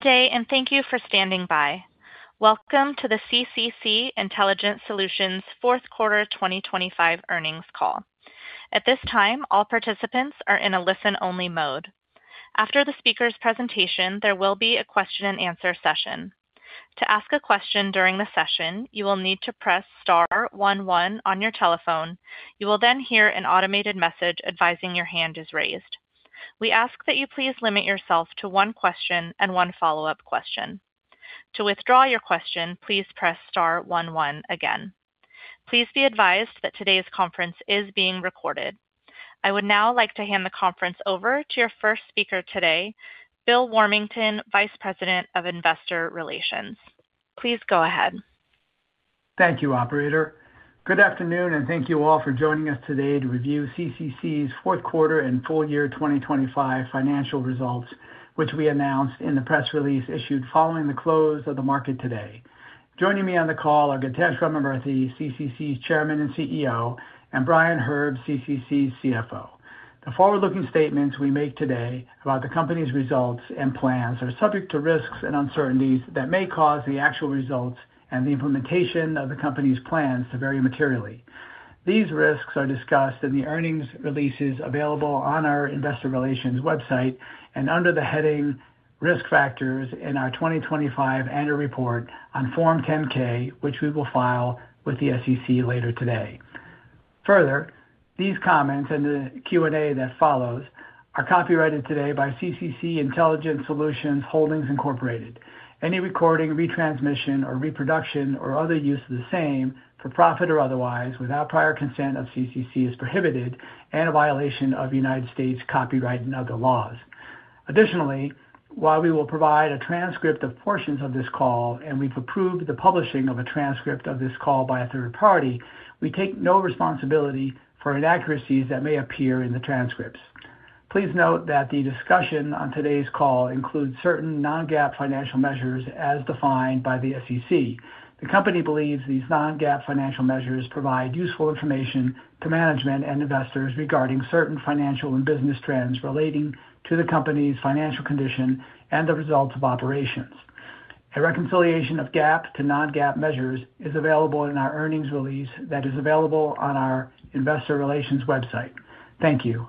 Good day. Thank you for standing by. Welcome to the CCC Intelligent Solutions Fourth Quarter 2025 earnings call. At this time, all participants are in a listen-only mode. After the speaker's presentation, there will be a question-and-answer session. To ask a question during the session, you will need to press star one one on your telephone. You will hear an automated message advising your hand is raised. We ask that you please limit yourself to one question and one follow-up question. To withdraw your question, please press star one one again. Please be advised that today's conference is being recorded. I would now like to hand the conference over to your first speaker today, Bill Warmington, Vice President of Investor Relations. Please go ahead. Thank you, operator. Good afternoon. Thank you all for joining us today to review CCC's fourth quarter and full year 2025 financial results, which we announced in the press release issued following the close of the market today. Joining me on the call are Githesh Ramamurthy, CCC's Chairman and CEO, and Brian Herb, CCC's CFO. The forward-looking statements we make today about the company's results and plans are subject to risks and uncertainties that may cause the actual results and the implementation of the company's plans to vary materially. These risks are discussed in the earnings releases available on our investor relations website, and under the heading Risk Factors in our 2025 annual report on Form 10-K, which we will file with the SEC later today. These comments and the Q&A that follows are copyrighted today by CCC Intelligent Solutions Holdings Inc.. Any recording, retransmission, or reproduction or other use of the same, for profit or otherwise, without prior consent of CCC, is prohibited and a violation of United States copyright and other laws. Additionally, while we will provide a transcript of portions of this call and we've approved the publishing of a transcript of this call by a third party, we take no responsibility for inaccuracies that may appear in the transcripts. Please note that the discussion on today's call includes certain non-GAAP financial measures as defined by the SEC. The company believes these non-GAAP financial measures provide useful information to management and investors regarding certain financial and business trends relating to the company's financial condition and the results of operations. A reconciliation of GAAP to non-GAAP measures is available in our earnings release that is available on our investor relations website. Thank you.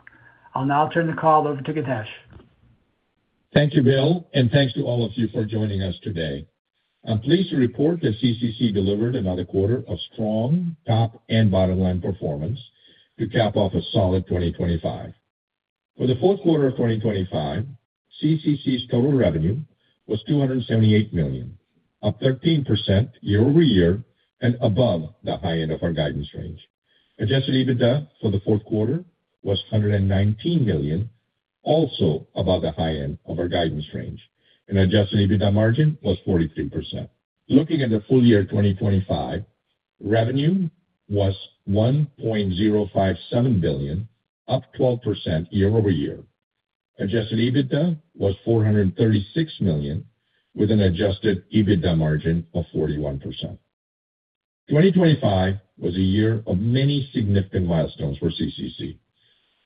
I'll now turn the call over to Githesh. Thank you, Bill, and thanks to all of you for joining us today. I'm pleased to report that CCC delivered another quarter of strong top and bottom-line performance to cap off a solid 2025. For the fourth quarter of 2025, CCC's total revenue was $278 million, up 13% year-over-year and above the high end of our guidance range. Adjusted EBITDA for the fourth quarter was $119 million, also above the high end of our guidance range, and Adjusted EBITDA margin was 43%. Looking at the full year 2025, revenue was $1.057 billion, up 12% year-over-year. Adjusted EBITDA was $436 million, with an Adjusted EBITDA margin of 41%. 2025 was a year of many significant milestones for CCC.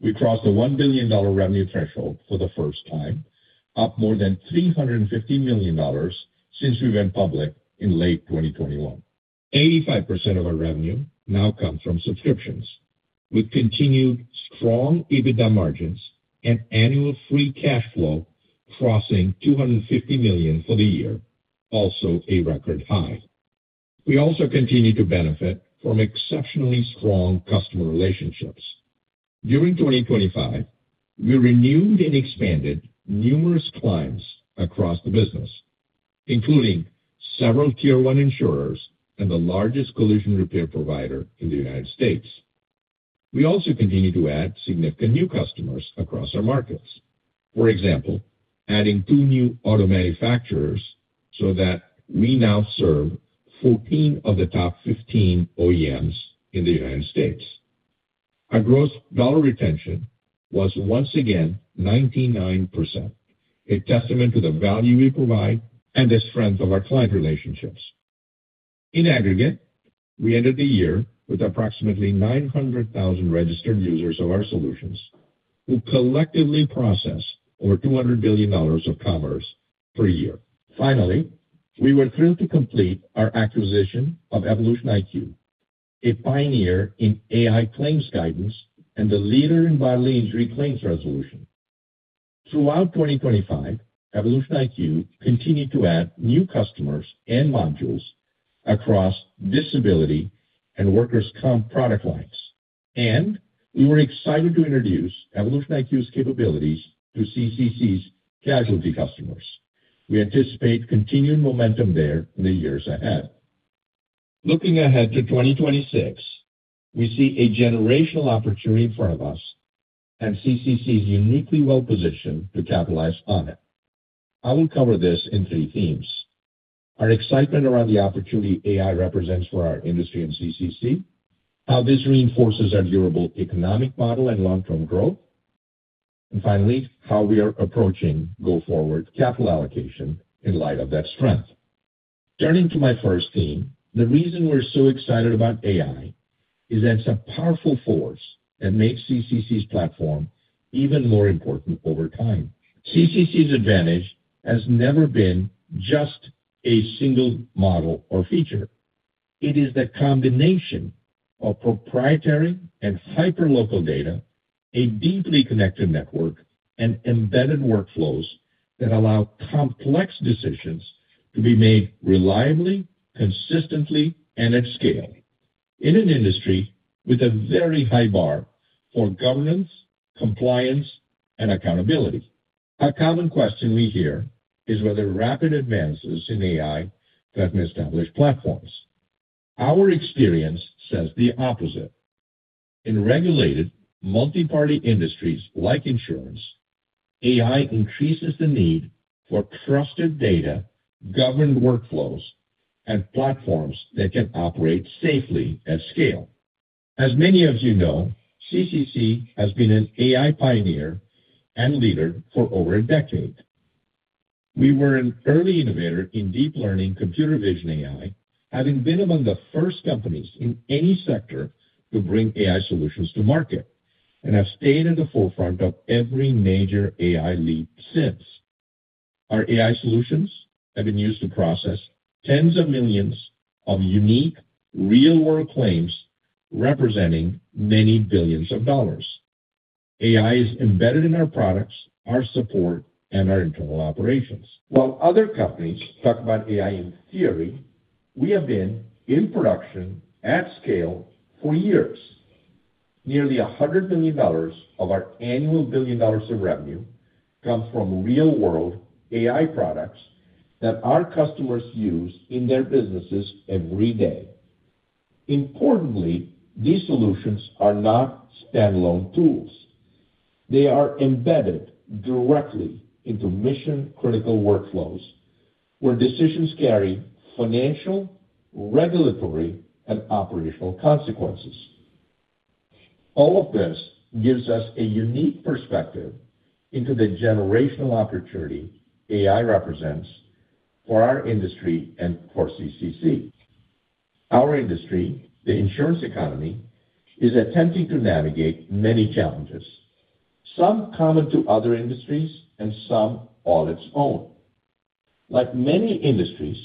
We crossed the $1 billion revenue threshold for the first time, up more than $350 million since we went public in late 2021. 85% of our revenue now comes from subscriptions, with continued strong EBITDA margins and annual free cash flow crossing $250 million for the year, also a record high. We also continue to benefit from exceptionally strong customer relationships. During 2025, we renewed and expanded numerous clients across the business, including several Tier 1 insurers and the largest collision repair provider in the United States. We also continued to add significant new customers across our markets. For example, adding two new auto manufacturers so that we now serve 14 of the top 15 OEMs in the United States. Our gross dollar retention was once again 99%, a testament to the value we provide and the strength of our client relationships. In aggregate, we ended the year with approximately 900,000 registered users of our solutions, who collectively process over $200 billion of commerce per year. We were thrilled to complete our acquisition of EvolutionIQ, a pioneer in AI claims guidance and the leader in body injury claims resolution. Throughout 2025, EvolutionIQ continued to add new customers and modules across disability and workers' comp product lines, and we were excited to introduce EvolutionIQ's capabilities to CCC's Casualty customers. We anticipate continued momentum there in the years ahead. Looking ahead to 2026, we see a generational opportunity in front of us, and CCC is uniquely well positioned to capitalize on it. I will cover this in three themes: Our excitement around the opportunity AI represents for our industry and CCC, how this reinforces our durable economic model and long-term growth, and finally, how we are approaching go-forward capital allocation in light of that strength. Turning to my first theme, the reason we're so excited about AI is that it's a powerful force that makes CCC's platform even more important over time. CCC's advantage has never been just a single model or feature. It is the combination of proprietary and hyperlocal data, a deeply connected network, and embedded workflows that allow complex decisions to be made reliably, consistently, and at scale in an industry with a very high bar for governance, compliance, and accountability. A common question we hear is whether rapid advances in AI threaten established platforms. Our experience says the opposite. In regulated, multiparty industries like insurance, AI increases the need for trusted data, governed workflows, and platforms that can operate safely at scale. As many of you know, CCC has been an AI pioneer and leader for over a decade. We were an early innovator in deep learning computer vision AI, having been among the first companies in any sector to bring AI solutions to market, and have stayed at the forefront of every major AI leap since. Our AI solutions have been used to process tens of millions of unique, real-world claims, representing many billions of dollars. AI is embedded in our products, our support, and our internal operations. While other companies talk about AI in theory, we have been in production at scale for years. Nearly $100 billion of our annual revenue comes from real-world AI products that our customers use in their businesses every day. Importantly, these solutions are not standalone tools. They are embedded directly into mission-critical workflows, where decisions carry financial, regulatory, and operational consequences. All of this gives us a unique perspective into the generational opportunity AI represents for our industry and for CCC. Our industry, the insurance economy, is attempting to navigate many challenges, some common to other industries and some on its own. Like many industries,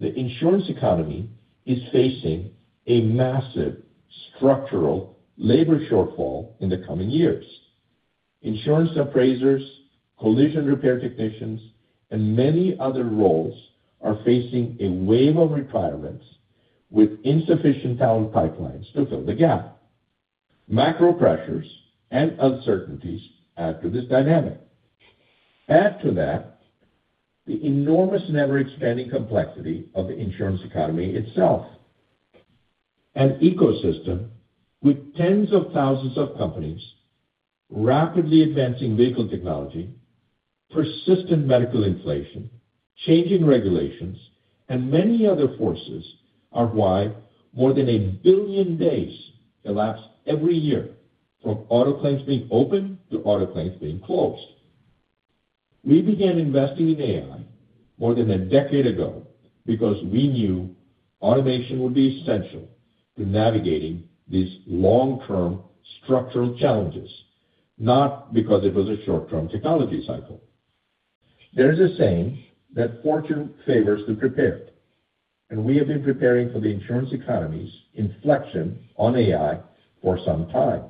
the insurance economy is facing a massive structural labor shortfall in the coming years. Insurance appraisers, collision repair technicians, and many other roles are facing a wave of retirements with insufficient talent pipelines to fill the gap. Macro pressures and uncertainties add to this dynamic. Add to that the enormous and ever-expanding complexity of the insurance economy itself. An ecosystem with tens of thousands of companies, rapidly advancing vehicle technology, persistent medical inflation, changing regulations, and many other forces are why more than 1 billion days elapse every year from auto claims being open to auto claims being closed. We began investing in AI more than a decade ago because we knew automation would be essential to navigating these long-term structural challenges, not because it was a short-term technology cycle. There's a saying that fortune favors the prepared. We have been preparing for the insurance economy's inflection on AI for some time.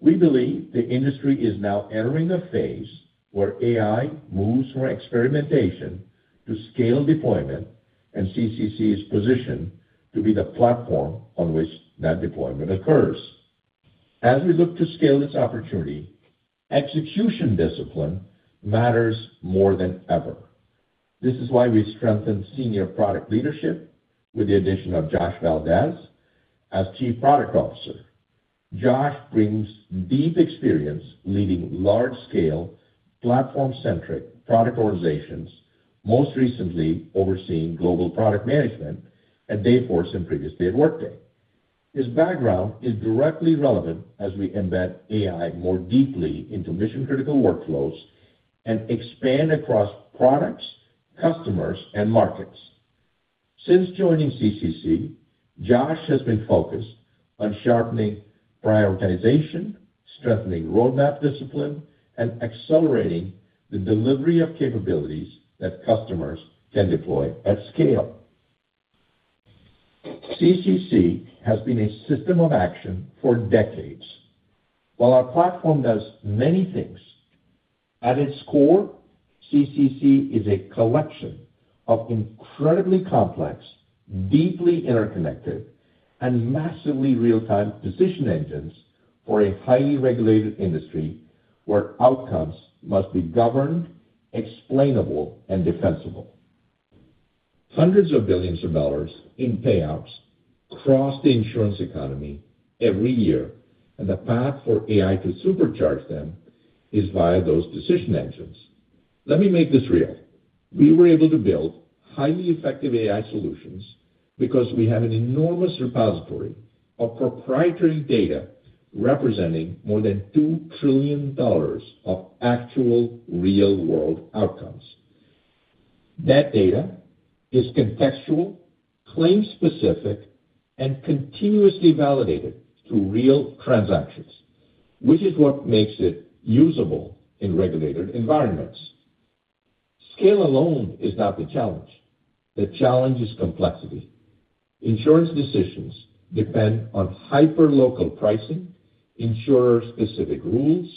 We believe the industry is now entering a phase where AI moves from experimentation to scale deployment, and CCC is positioned to be the platform on which that deployment occurs. As we look to scale this opportunity, execution discipline matters more than ever. This is why we strengthened senior product leadership with the addition of Josh Valdez as Chief Product Officer. Josh brings deep experience leading large-scale, platform-centric product organizations, most recently overseeing global product management at Salesforce and previously at Workday. His background is directly relevant as we embed AI more deeply into mission-critical workflows and expand across products, customers, and markets. Since joining CCC, Josh has been focused on sharpening prioritization, strengthening roadmap discipline, and accelerating the delivery of capabilities that customers can deploy at scale. CCC has been a system of action for decades. While our platform does many things, at its core, CCC is a collection of incredibly complex, deeply interconnected, and massively real-time decision engines for a highly regulated industry where outcomes must be governed, explainable, and defensible. Hundreds of billions of dollars in payouts cross the insurance economy every year. The path for AI to supercharge them is via those decision engines. Let me make this real. We were able to build highly effective AI solutions because we have an enormous repository of proprietary data representing more than $2 trillion of actual real-world outcomes. That data is contextual, claim-specific, and continuously validated through real transactions, which is what makes it usable in regulated environments. Scale alone is not the challenge. The challenge is complexity. Insurance decisions depend on hyperlocal pricing, insurer-specific rules,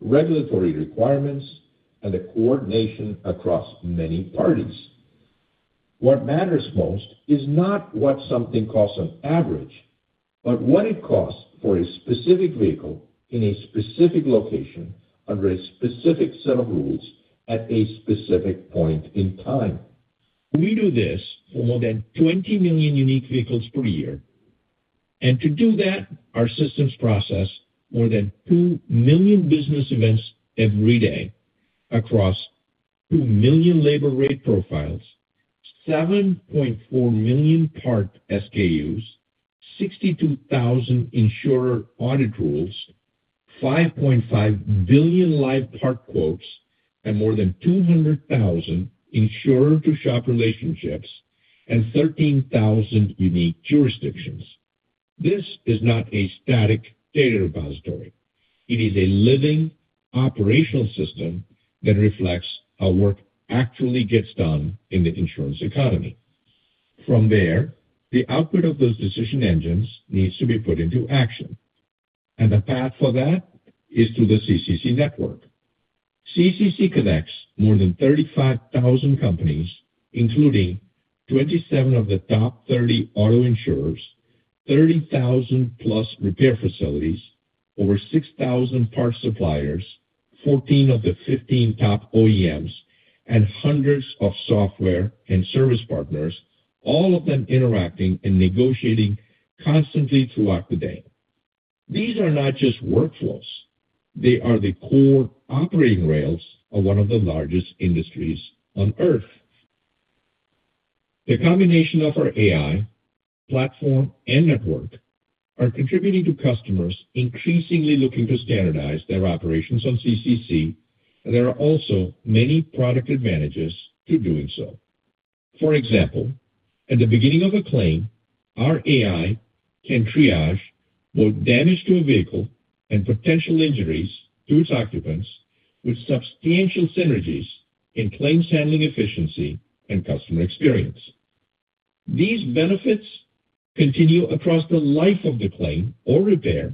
regulatory requirements, and the coordination across many parties. What matters most is not what something costs on average, but what it costs for a specific vehicle, in a specific location, under a specific set of rules, at a specific point in time. We do this for more than 20 million unique vehicles per year, and to do that, our systems process more than 2 million business events every day across 2 million labor rate profiles, 7.4 million part SKUs, 62,000 insurer audit rules, 5.5 billion live part quotes, and more than 200,000 insurer-to-shop relationships, and 13,000 unique jurisdictions. This is not a static data repository. It is a living, operational system that reflects how work actually gets done in the insurance economy. From there, the output of those decision engines needs to be put into action, and the path for that is through the CCC network. CCC connects more than 35,000 companies, including 27 of the top 30 auto insurers, 30,000 plus repair facilities, over 6,000 parts suppliers, 14 of the 15 top OEMs, and hundreds of software and service partners, all of them interacting and negotiating constantly throughout the day. These are not just workflows, they are the core operating rails of one of the largest industries on Earth. The combination of our AI, platform, and network are contributing to customers increasingly looking to standardize their operations on CCC. There are also many product advantages to doing so. For example, at the beginning of a claim, our AI can triage both damage to a vehicle and potential injuries to its occupants, with substantial synergies in claims handling efficiency and customer experience. These benefits continue across the life of the claim or repair.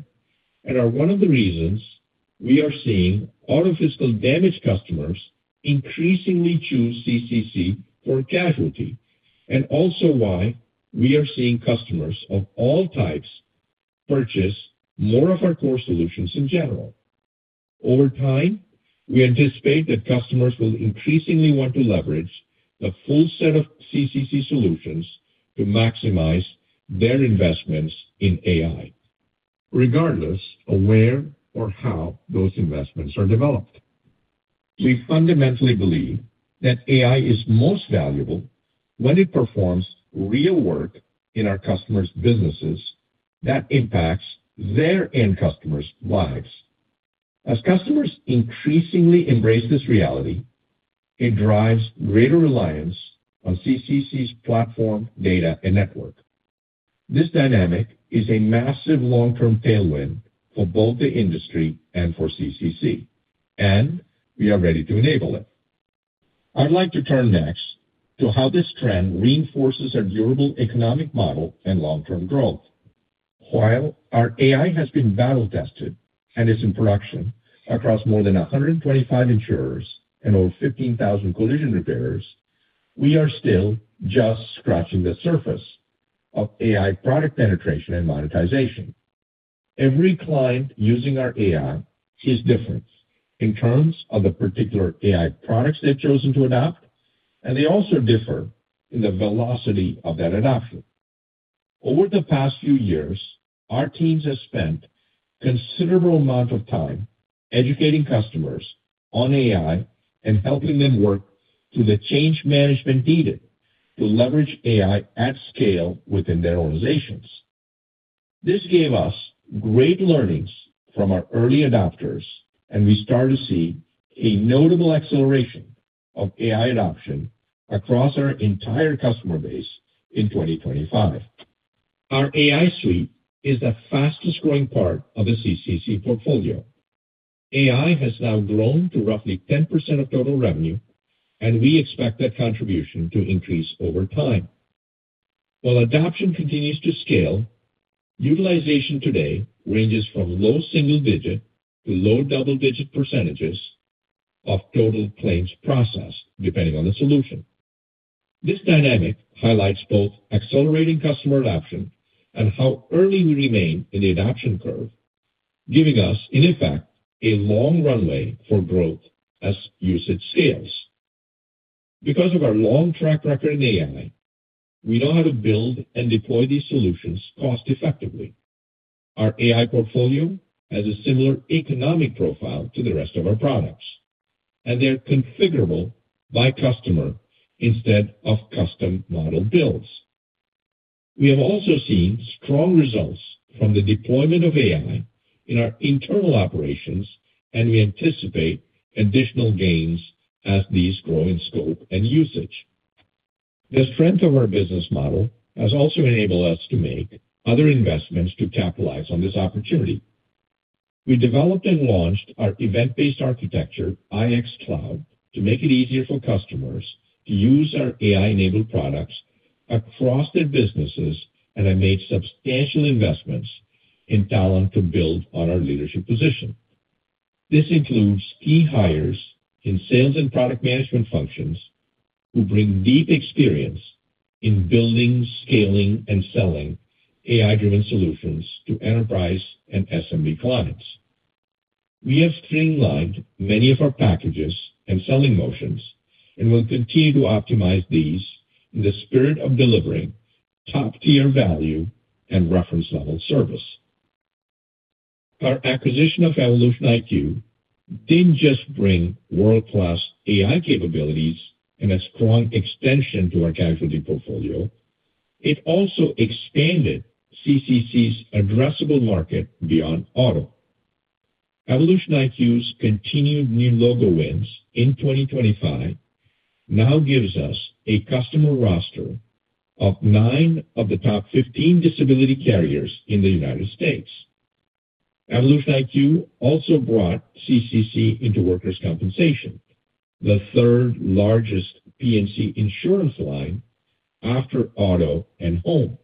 One of the reasons we are seeing auto physical damage customers increasingly choose CCC for Casualty, also why we are seeing customers of all types purchase more of our core solutions in general. Over time, we anticipate that customers will increasingly want to leverage the full set of CCC solutions to maximize their investments in AI, regardless of where or how those investments are developed. We fundamentally believe that AI is most valuable when it performs real work in our customers' businesses that impacts their end customers' lives. As customers increasingly embrace this reality, it drives greater reliance on CCC's platform, data, and network. This dynamic is a massive long-term tailwind for both the industry and for CCC. We are ready to enable it. I'd like to turn next to how this trend reinforces our durable economic model and long-term growth. While our AI has been battle-tested and is in production across more than 125 insurers and over 15,000 collision repairers, we are still just scratching the surface of AI product penetration and monetization. Every client using our AI is different in terms of the particular AI products they've chosen to adopt, and they also differ in the velocity of that adoption. Over the past few years, our teams have spent considerable amount of time educating customers on AI and helping them work through the change management needed to leverage AI at scale within their organizations. This gave us great learnings from our early adopters, we start to see a notable acceleration of AI adoption across our entire customer base in 2025. Our AI suite is the fastest growing part of the CCC portfolio. AI has now grown to roughly 10% of total revenue, and we expect that contribution to increase over time. While adoption continues to scale, utilization today ranges from low single-digit to low double-digit percentages of total claims processed, depending on the solution. This dynamic highlights both accelerating customer adoption and how early we remain in the adoption curve, giving us, in effect, a long runway for growth as usage scales. Because of our long track record in AI, we know how to build and deploy these solutions cost effectively. Our AI portfolio has a similar economic profile to the rest of our products, and they are configurable by customer instead of custom model builds. We have also seen strong results from the deployment of AI in our internal operations, and we anticipate additional gains as these grow in scope and usage. The strength of our business model has also enabled us to make other investments to capitalize on this opportunity. We developed and launched our event-based architecture, IX Cloud, to make it easier for customers to use our AI-enabled products across their businesses, and have made substantial investments in talent to build on our leadership position. This includes key hires in sales and product management functions, who bring deep experience in building, scaling, and selling AI-driven solutions to enterprise and SMB clients. We have streamlined many of our packages and selling motions, and we'll continue to optimize these in the spirit of delivering top-tier value and reference-level service. Our acquisition of EvolutionIQ didn't just bring world-class AI capabilities and a strong extension to our Casualty portfolio, it also expanded CCC's addressable market beyond auto. EvolutionIQ's continued new logo wins in 2025 now gives us a customer roster of nine of the top 15 disability carriers in the United States. EvolutionIQ also brought CCC into workers' compensation, the third-largest P&C insurance line after auto and home.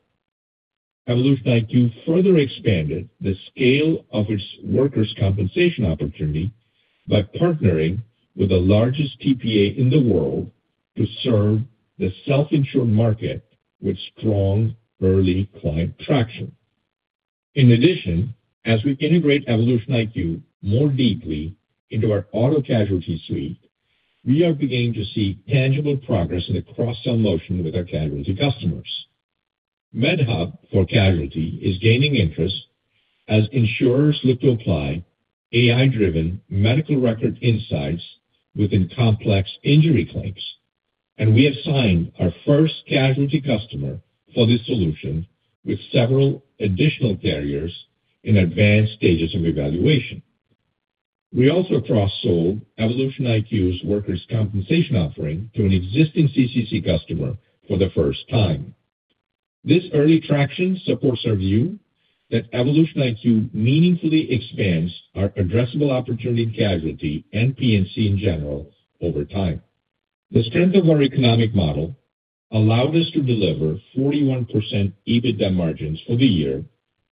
EvolutionIQ further expanded the scale of its workers' compensation opportunity by partnering with the largest TPA in the world to serve the self-insured market with strong early client traction. In addition, as we integrate EvolutionIQ more deeply into our auto casualty suite, we are beginning to see tangible progress in the cross-sell motion with our casualty customers. Medhub for Casualty is gaining interest as insurers look to apply AI-driven medical record insights within complex injury claims. We have signed our first casualty customer for this solution, with several additional carriers in advanced stages of evaluation. We also cross-sold EvolutionIQ's workers' compensation offering to an existing CCC customer for the first time. This early traction supports our view that EvolutionIQ meaningfully expands our addressable opportunity in Casualty and P&C in general over time. The strength of our economic model allowed us to deliver 41% EBITDA margins for the year,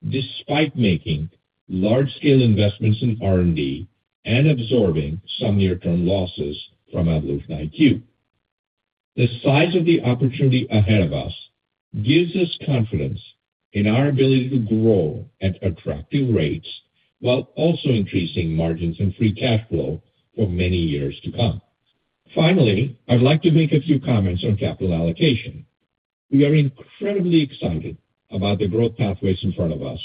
despite making large-scale investments in R&D and absorbing some near-term losses from EvolutionIQ. The size of the opportunity ahead of us gives us confidence in our ability to grow at attractive rates, while also increasing margins and free cash flow for many years to come. Finally, I'd like to make a few comments on capital allocation. We are incredibly excited about the growth pathways in front of us.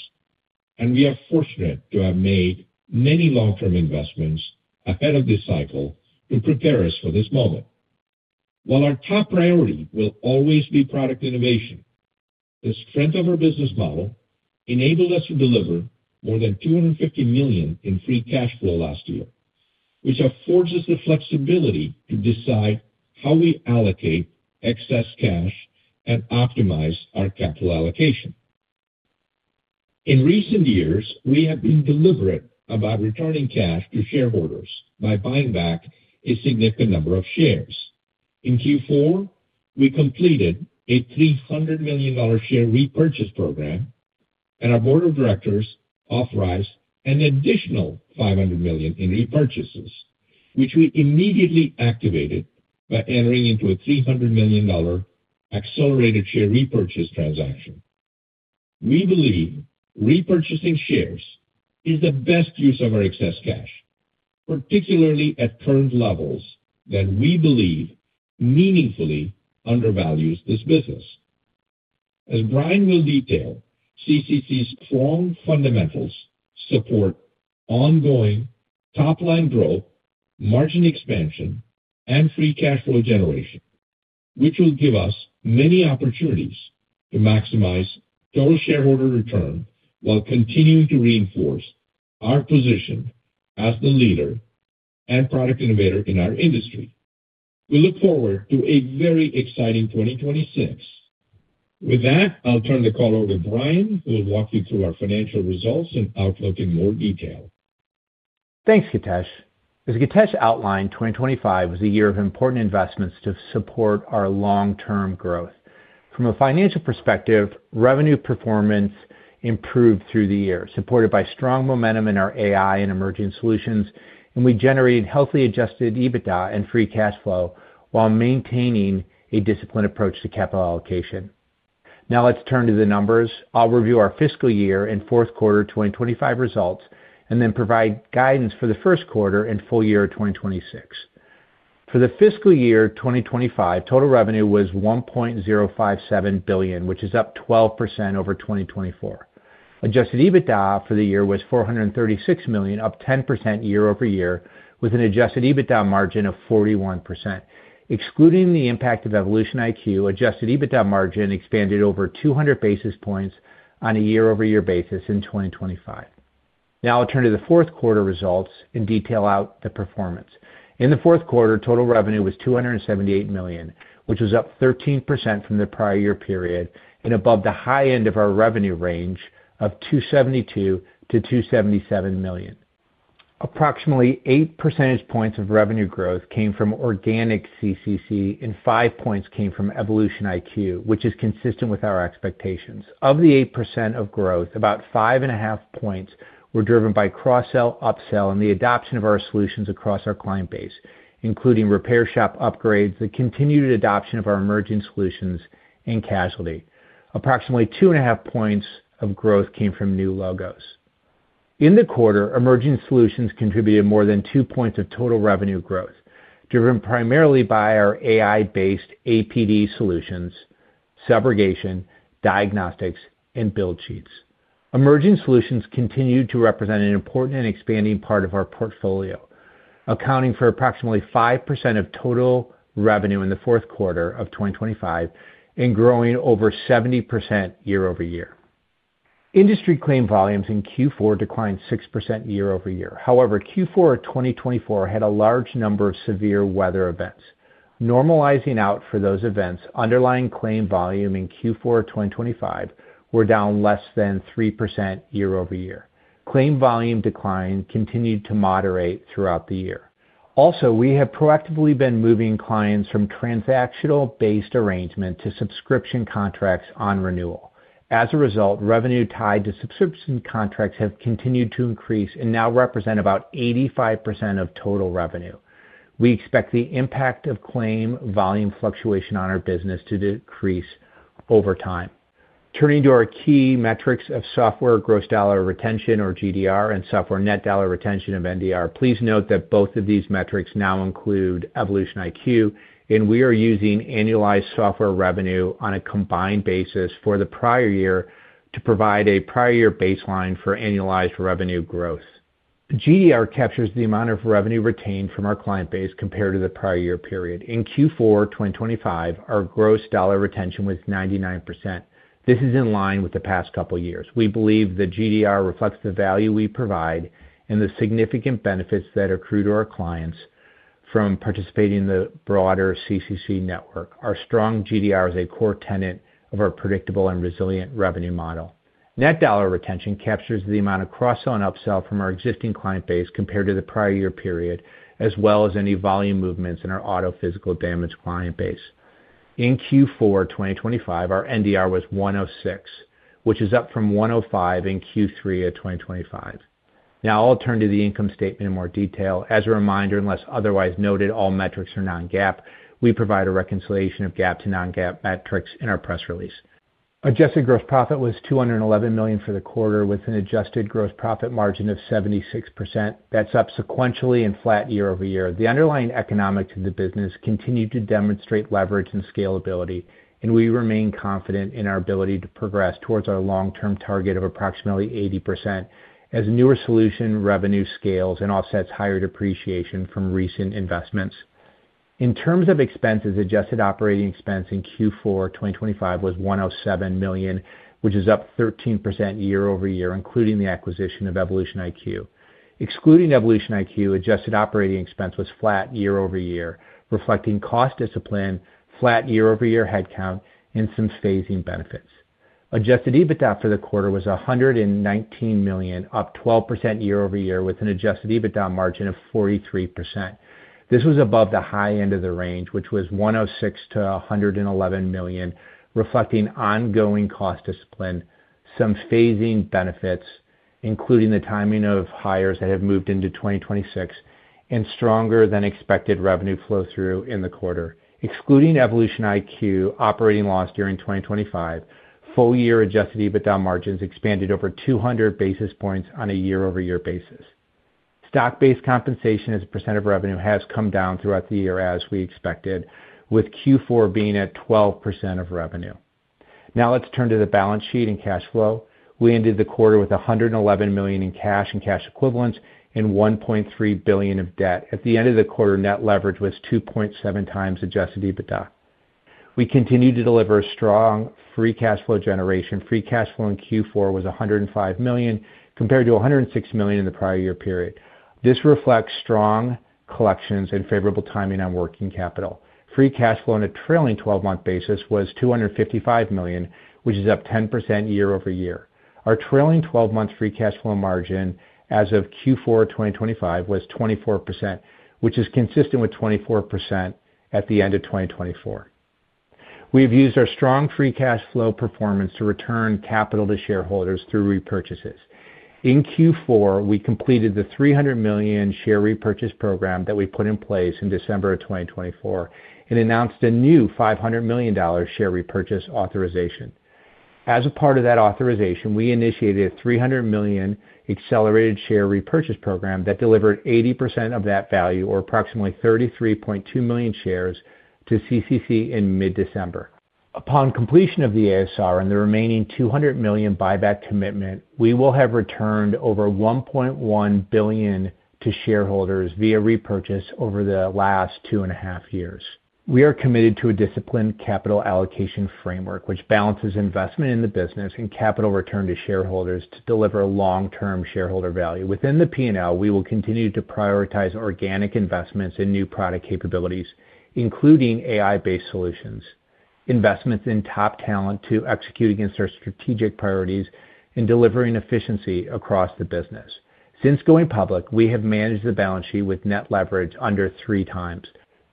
We are fortunate to have made many long-term investments ahead of this cycle to prepare us for this moment. While our top priority will always be product innovation, the strength of our business model enabled us to deliver more than $250 million in free cash flow last year, which affords us the flexibility to decide how we allocate excess cash and optimize our capital allocation. In recent years, we have been deliberate about returning cash to shareholders by buying back a significant number of shares. In Q4, we completed a $300 million share repurchase program. Our board of directors authorized an additional $500 million in repurchases, which we immediately activated by entering into a $300 million accelerated share repurchase transaction. We believe repurchasing shares is the best use of our excess cash, particularly at current levels, that we believe meaningfully undervalues this business. As Brian will detail, CCC's strong fundamentals support ongoing top-line growth, margin expansion, and free cash flow generation, which will give us many opportunities to maximize total shareholder return while continuing to reinforce our position as the leader and product innovator in our industry. We look forward to a very exciting 2026. With that, I'll turn the call over to Brian, who will walk you through our financial results and outlook in more detail. Thanks, Githesh. As Githesh outlined, 2025 was a year of important investments to support our long-term growth. From a financial perspective, revenue performance improved through the year, supported by strong momentum in our AI and Emerging Solutions, and we generated healthy Adjusted EBITDA and free cash flow while maintaining a disciplined approach to capital allocation. Let's turn to the numbers. I'll review our fiscal year and fourth quarter 2025 results, and then provide guidance for the first quarter and full year of 2026. For the fiscal year 2025, total revenue was $1.057 billion, which is up 12% over 2024. Adjusted EBITDA for the year was $436 million, up 10% year-over-year, with an Adjusted EBITDA margin of 41%. Excluding the impact of EvolutionIQ, Adjusted EBITDA margin expanded over 200 basis points on a year-over-year basis in 2025. I'll turn to the fourth quarter results and detail out the performance. In the fourth quarter, total revenue was $278 million, which was up 13% from the prior year period and above the high end of our revenue range of $272 million-$277 million. Approximately 8 percentage points of revenue growth came from organic CCC, and 5 points came from EvolutionIQ, which is consistent with our expectations. Of the 8% of growth, about 5.5 points were driven by cross-sell, upsell, and the adoption of our solutions across our client base, including repair shop upgrades, the continued adoption of our Emerging Solutions and casualty. Approximately 2.5 points of growth came from new logos. In the quarter, Emerging Solutions contributed more than two points of total revenue growth, driven primarily by our AI-based APD solutions, subrogation, diagnostics, and Build Sheets. Emerging solutions continued to represent an important and expanding part of our portfolio, accounting for approximately 5% of total revenue in the fourth quarter of 2025 and growing over 70% year-over-year. Industry claim volumes in Q4 declined 6% year-over-year. However, Q4 of 2024 had a large number of severe weather events. Normalizing out for those events, underlying claim volume in Q4 of 2025 were down less than 3% year-over-year. Claim volume decline continued to moderate throughout the year. Also, we have proactively been moving clients from transactional-based arrangement to subscription contracts on renewal. As a result, revenue tied to subscription contracts have continued to increase and now represent about 85% of total revenue. We expect the impact of claim volume fluctuation on our business to decrease over time. Turning to our key metrics of software, gross dollar retention, or GDR, and software net dollar retention of NDR. Please note that both of these metrics now include EvolutionIQ. We are using annualized software revenue on a combined basis for the prior year to provide a prior year baseline for annualized revenue growth. GDR captures the amount of revenue retained from our client base compared to the prior year period. In Q4 2025, our gross dollar retention was 99%. This is in line with the past couple of years. We believe the GDR reflects the value we provide and the significant benefits that accrue to our clients from participating in the broader CCC network. Our strong GDR is a core tenet of our predictable and resilient revenue model. Net dollar retention captures the amount of cross-sell and upsell from our existing client base compared to the prior year period, as well as any volume movements in our auto physical damage client base. In Q4 2025, our NDR was 106, which is up from 105 in Q3 of 2025. I'll turn to the income statement in more detail. As a reminder, unless otherwise noted, all metrics are non-GAAP. We provide a reconciliation of GAAP to non-GAAP metrics in our press release. Adjusted gross profit was $211 million for the quarter, with an adjusted gross profit margin of 76%. That's up sequentially and flat year-over-year. The underlying economics of the business continued to demonstrate leverage and scalability. We remain confident in our ability to progress towards our long-term target of approximately 80%, as newer solution revenue scales and offsets higher depreciation from recent investments. In terms of expenses, adjusted operating expense in Q4 2025 was $107 million, which is up 13% year-over-year, including the acquisition of EvolutionIQ. Excluding EvolutionIQ, adjusted operating expense was flat year-over-year, reflecting cost discipline, flat year-over-year headcount, and some phasing benefits. Adjusted EBITDA for the quarter was $119 million, up 12% year-over-year, with an Adjusted EBITDA margin of 43%. This was above the high end of the range, which was $106 million-$111 million, reflecting ongoing cost discipline, some phasing benefits, including the timing of hires that have moved into 2026, and stronger than expected revenue flow through in the quarter. Excluding EvolutionIQ operating loss during 2025, full year Adjusted EBITDA margins expanded over 200 basis points on a year-over-year basis. Stock-based compensation as a percent of revenue has come down throughout the year, as we expected, with Q4 being at 12% of revenue. Let's turn to the balance sheet and cash flow. We ended the quarter with $111 million in cash and cash equivalents and $1.3 billion of debt. At the end of the quarter, net leverage was 2.7x Adjusted EBITDA. We continued to deliver strong free cash flow generation. Free cash flow in Q4 was $105 million, compared to $106 million in the prior year period. This reflects strong collections and favorable timing on working capital. Free cash flow on a trailing 12-month basis was $255 million, which is up 10% year-over-year. Our trailing 12-month free cash flow margin as of Q4 2025 was 24%, which is consistent with 24% at the end of 2024. We've used our strong free cash flow performance to return capital to shareholders through repurchases. In Q4, we completed the $300 million share repurchase program that we put in place in December of 2024 and announced a new $500 million share repurchase authorization. As a part of that authorization, we initiated a $300 million accelerated share repurchase program that delivered 80% of that value, or approximately 33.2 million shares, to CCC in mid-December. Upon completion of the ASR and the remaining $200 million buyback commitment, we will have returned over $1.1 billion to shareholders via repurchase over the last two and a half years. We are committed to a disciplined capital allocation framework, which balances investment in the business and capital return to shareholders to deliver long-term shareholder value. Within the P&L, we will continue to prioritize organic investments in new product capabilities, including AI-based solutions, investments in top talent to execute against our strategic priorities, and delivering efficiency across the business. Since going public, we have managed the balance sheet with net leverage under three times,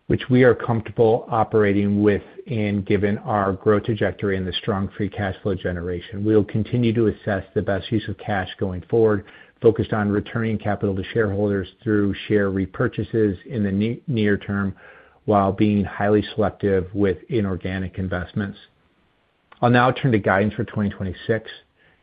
which we are comfortable operating with, and given our growth trajectory and the strong free cash flow generation. We'll continue to assess the best use of cash going forward, focused on returning capital to shareholders through share repurchases in the near term, while being highly selective with inorganic investments. I'll now turn to guidance for 2026.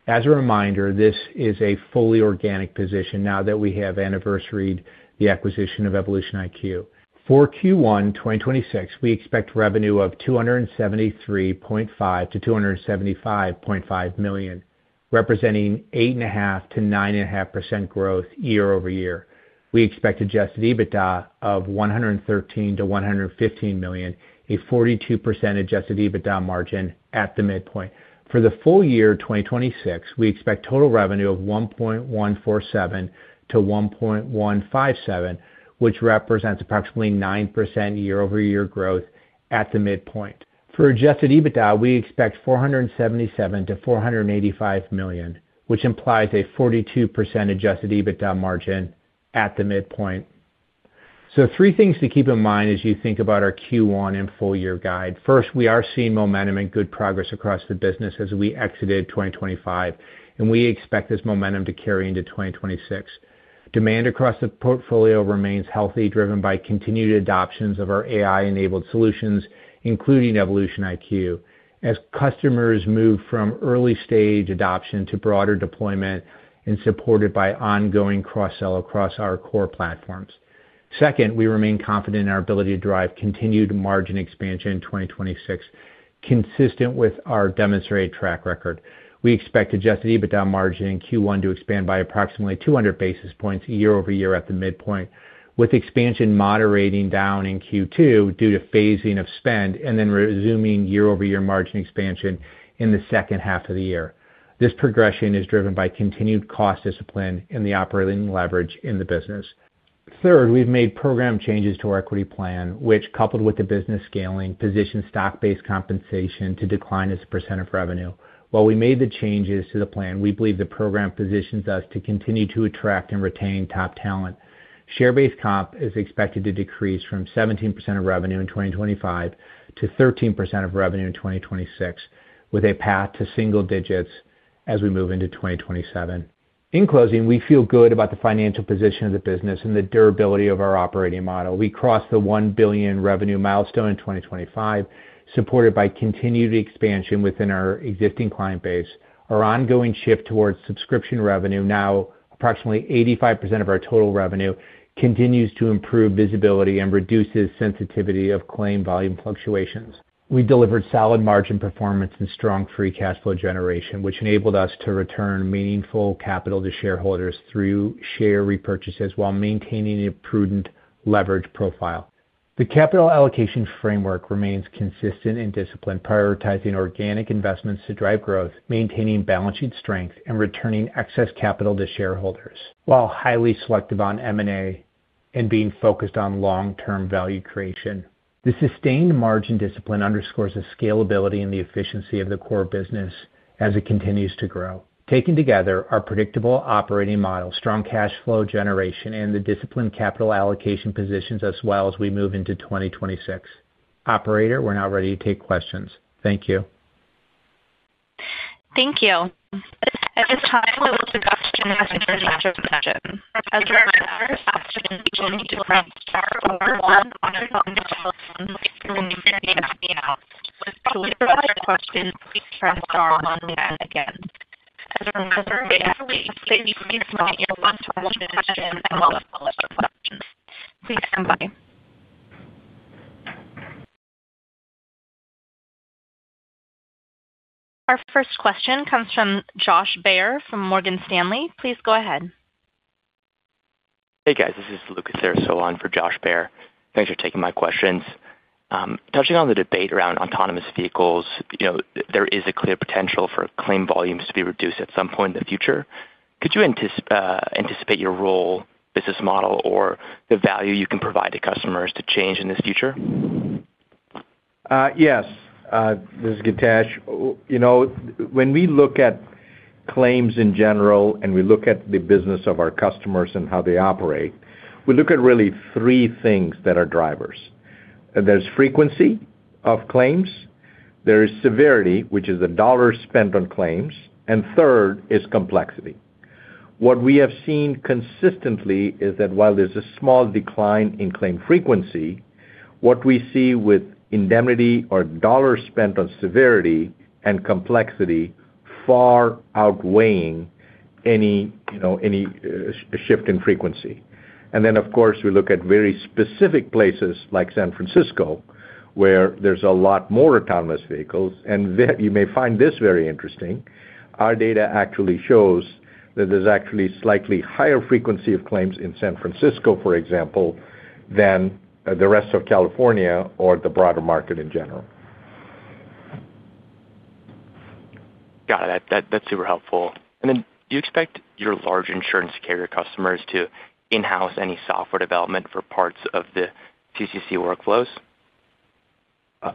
As a reminder, this is a fully organic position now that we have anniversaried the acquisition of EvolutionIQ. For Q1 2026, we expect revenue of $273.5 million-$275.5 million, representing 8.5%-9.5% growth year-over-year. We expect Adjusted EBITDA of $113 million-$115 million, a 42% Adjusted EBITDA margin at the midpoint. For the full year 2026, we expect total revenue of $1.147 billion-$1.157 billion, which represents approximately 9% year-over-year growth at the midpoint. For Adjusted EBITDA, we expect $477 million-$485 million, which implies a 42% Adjusted EBITDA margin at the midpoint. Three things to keep in mind as you think about our Q1 and full year guide. First, we are seeing momentum and good progress across the business as we exited 2025, and we expect this momentum to carry into 2026. Demand across the portfolio remains healthy, driven by continued adoptions of our AI-enabled solutions, including EvolutionIQ, as customers move from early-stage adoption to broader deployment and supported by ongoing cross-sell across our core platforms. Second, we remain confident in our ability to drive continued margin expansion in 2026, consistent with our demonstrated track record. We expect Adjusted EBITDA margin in Q1 to expand by approximately 200 basis points year-over-year at the midpoint, with expansion moderating down in Q2 due to phasing of spend and then resuming year-over-year margin expansion in the second half of the year. This progression is driven by continued cost discipline and the operating leverage in the business. Third, we've made program changes to our equity plan, which, coupled with the business scaling, positions stock-based compensation to decline as a percent of revenue. We made the changes to the plan, we believe the program positions us to continue to attract and retain top talent. Share-based comp is expected to decrease from 17% of revenue in 2025 to 13% of revenue in 2026, with a path to single digits as we move into 2027. In closing, we feel good about the financial position of the business and the durability of our operating model. We crossed the $1 billion revenue milestone in 2025, supported by continued expansion within our existing client base. Our ongoing shift towards subscription revenue, now approximately 85% of our total revenue, continues to improve visibility and reduces sensitivity of claim volume fluctuations. We delivered solid margin performance and strong free cash flow generation, which enabled us to return meaningful capital to shareholders through share repurchases while maintaining a prudent leverage profile. The capital allocation framework remains consistent and disciplined, prioritizing organic investments to drive growth, maintaining balance sheet strength, and returning excess capital to shareholders, while highly selective on M&A and being focused on long-term value creation. The sustained margin discipline underscores the scalability and the efficiency of the core business as it continues to grow. Taken together, our predictable operating model, strong cash flow generation, and the disciplined capital allocation positions us well as we move into 2026. Operator, we're now ready to take questions. Thank you. Thank you. At this time, we will take questions. As a reminder, to ask a question, press star one on your phone. To withdraw your question, please press star one again. As a reminder, please limit your question. Please stand by. Our first question comes from Josh Baer from Morgan Stanley. Please go ahead. Hey, guys, this is Lucas Cerisola for Josh Baer. Thanks for taking my questions. Touching on the debate around autonomous vehicles, you know, there is a clear potential for claim volumes to be reduced at some point in the future. Could you anticipate your role, business model, or the value you can provide to customers to change in this future? Yes, this is Githesh. You know, when we look at claims in general, and we look at the business of our customers and how they operate, we look at really three things that are drivers. There's frequency of claims, there is severity, which is the dollar spent on claims, and third is complexity. What we have seen consistently is that while there's a small decline in claim frequency, what we see with indemnity or dollar spent on severity and complexity far outweighing any, you know, any shift in frequency. Of course, we look at very specific places like San Francisco, where there's a lot more autonomous vehicles, and then you may find this very interesting. Our data actually shows that there's actually slightly higher frequency of claims in San Francisco, for example, than the rest of California or the broader market in general. Got it. That, that's super helpful. Do you expect your large insurance carrier customers to in-house any software development for parts of the CCC workflows?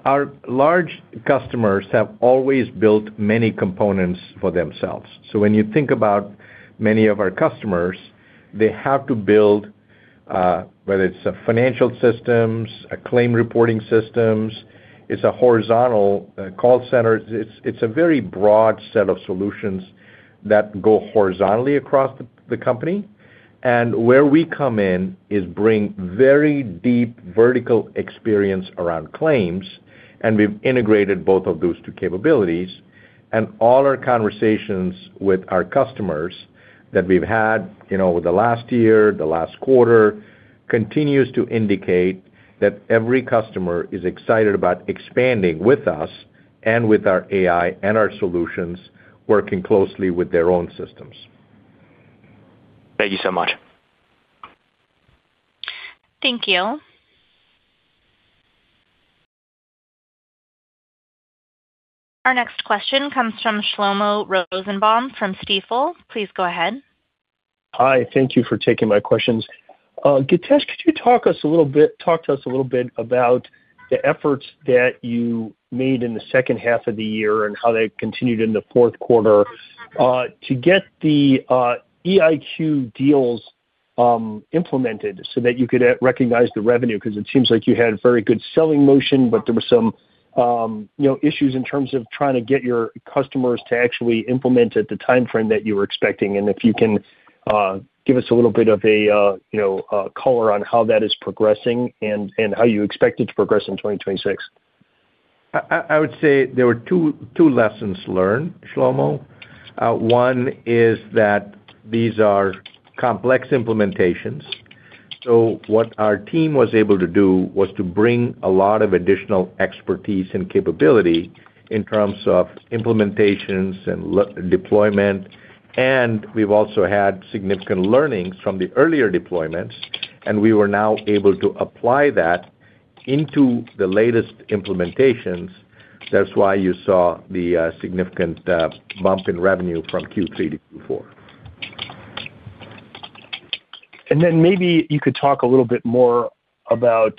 Our large customers have always built many components for themselves. When you think about many of our customers, they have to build, whether it's a financial systems, a claim reporting systems, it's a horizontal, call center. It's a very broad set of solutions that go horizontally across the company. Where we come in, is bring very deep vertical experience around claims, and we've integrated both of those two capabilities. All our conversations with our customers that we've had, you know, over the last year, the last quarter, continues to indicate that every customer is excited about expanding with us and with our AI and our solutions, working closely with their own systems. Thank you so much. Thank you. Our next question comes from Shlomo Rosenbaum, from Stifel. Please go ahead. Hi, thank you for taking my questions. Githesh, could you talk to us a little bit about the efforts that you made in the second half of the year and how they continued in the fourth quarter to get the EvolutionIQ deals implemented so that you could recognize the revenue? It seems like you had very good selling motion, but there were some, you know, issues in terms of trying to get your customers to actually implement at the timeframe that you were expecting. If you can, give us a little bit of a, you know, a color on how that is progressing and how you expect it to progress in 2026. I would say there were two lessons learned, Shlomo. One is that these are complex implementations. What our team was able to do was to bring a lot of additional expertise and capability in terms of implementations and deployment. We've also had significant learnings from the earlier deployments. We were now able to apply that into the latest implementations. That's why you saw the significant bump in revenue from Q3 to Q4. Maybe you could talk a little bit more about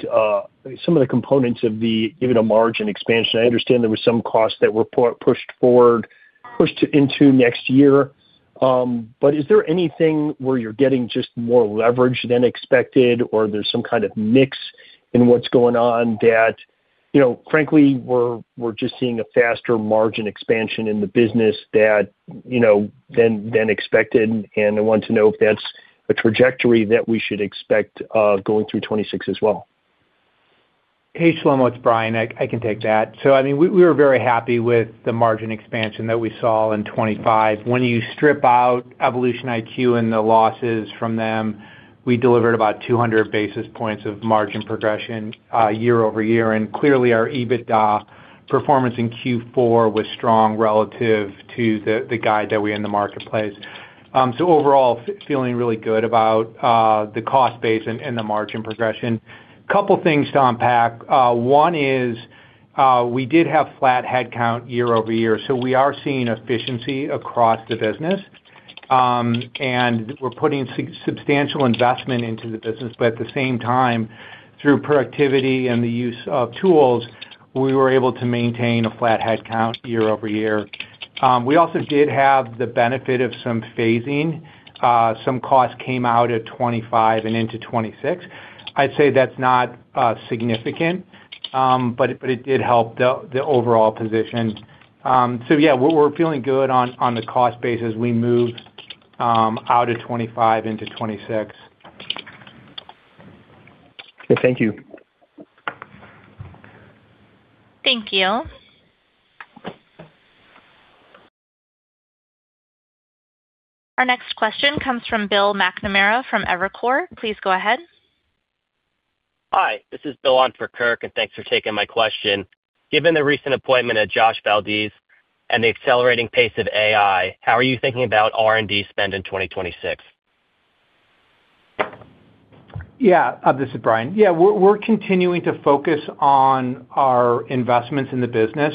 some of the components of the, even the margin expansion. I understand there were some costs that were pushed forward, pushed into next year, but is there anything where you're getting just more leverage than expected or there's some kind of mix in what's going on that, you know, frankly, we're just seeing a faster margin expansion in the business that, you know, than expected, and I want to know if that's a trajectory that we should expect going through 2026 as well. Hey, Shlomo, it's Brian. I can take that. We were very happy with the margin expansion that we saw in 2025. When you strip out EvolutionIQ and the losses from them, we delivered about 200 basis points of margin progression year-over-year, and clearly, our EBITDA performance in Q4 was strong relative to the guide that we had in the marketplace. Overall, feeling really good about the cost base and the margin progression. Couple things to unpack. One is, we did have flat headcount year-over-year, we are seeing efficiency across the business. We're putting substantial investment into the business, at the same time, through productivity and the use of tools, we were able to maintain a flat headcount year-over-year. We also did have the benefit of some phasing. Some costs came out at 25 and into 26. I'd say that's not significant, but it did help the overall position. Yeah, we're feeling good on the cost basis as we move out of 25 into 26. Okay, thank you. Thank you. Our next question comes from Bill McNamara from Evercore. Please go ahead. Hi, this is Bill on for Kirk. Thanks for taking my question. Given the recent appointment of Josh Valdez and the accelerating pace of AI, how are you thinking about R&D spend in 2026? Yeah. This is Brian. Yeah, we're continuing to focus on our investments in the business.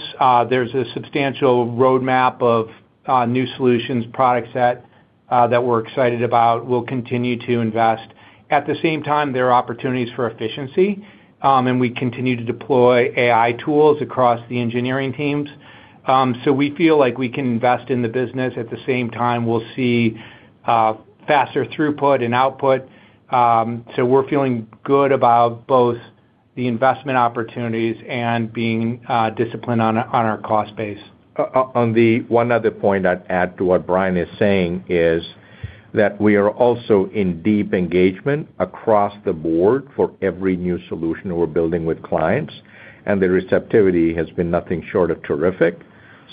There's a substantial roadmap of new solutions, product set, that we're excited about. We'll continue to invest. At the same time, there are opportunities for efficiency, and we continue to deploy AI tools across the engineering teams. We feel like we can invest in the business. At the same time, we'll see faster throughput and output. We're feeling good about the investment opportunities and being disciplined on our cost base. On the one other point I'd add to what Brian is saying is that we are also in deep engagement across the board for every new solution we're building with clients, and the receptivity has been nothing short of terrific.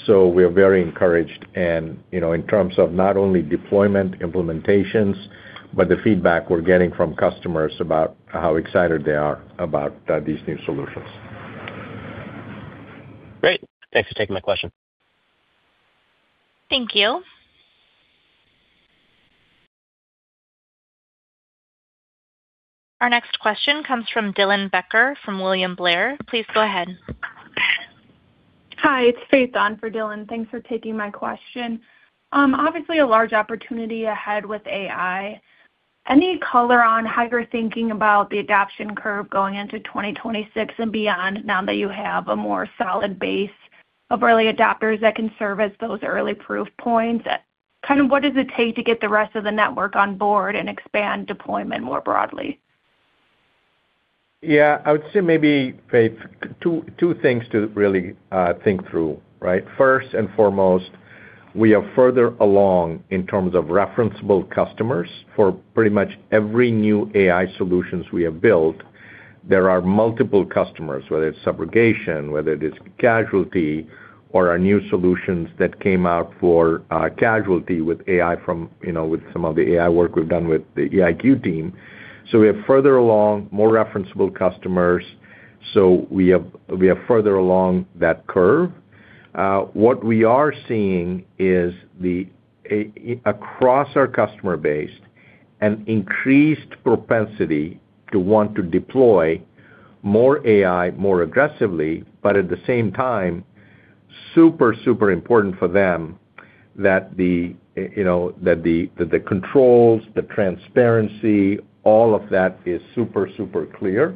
We are very encouraged and, you know, in terms of not only deployment implementations, but the feedback we're getting from customers about how excited they are about these new solutions. Great. Thanks for taking my question. Thank you. Our next question comes from Dylan Becker from William Blair. Please go ahead. Hi, it's Faith on for Dylan. Thanks for taking my question. Obviously, a large opportunity ahead with AI. Any color on how you're thinking about the adoption curve going into 2026 and beyond, now that you have a more solid base of early adopters that can serve as those early proof points? Kind of what does it take to get the rest of the network on board and expand deployment more broadly? I would say maybe, Faith, two things to really think through, right? We are further along in terms of referenceable customers. For pretty much every new AI solutions we have built, there are multiple customers, whether it's subrogation, whether it is casualty or our new solutions that came out for casualty with AI from, you know, with some of the AI work we've done with the EvolutionIQ team. We are further along, more referenceable customers, so we are further along that curve. What we are seeing is across our customer base, an increased propensity to want to deploy more AI, more aggressively, but at the same time, super important for them that, you know, that the controls, the transparency, all of that is super clear.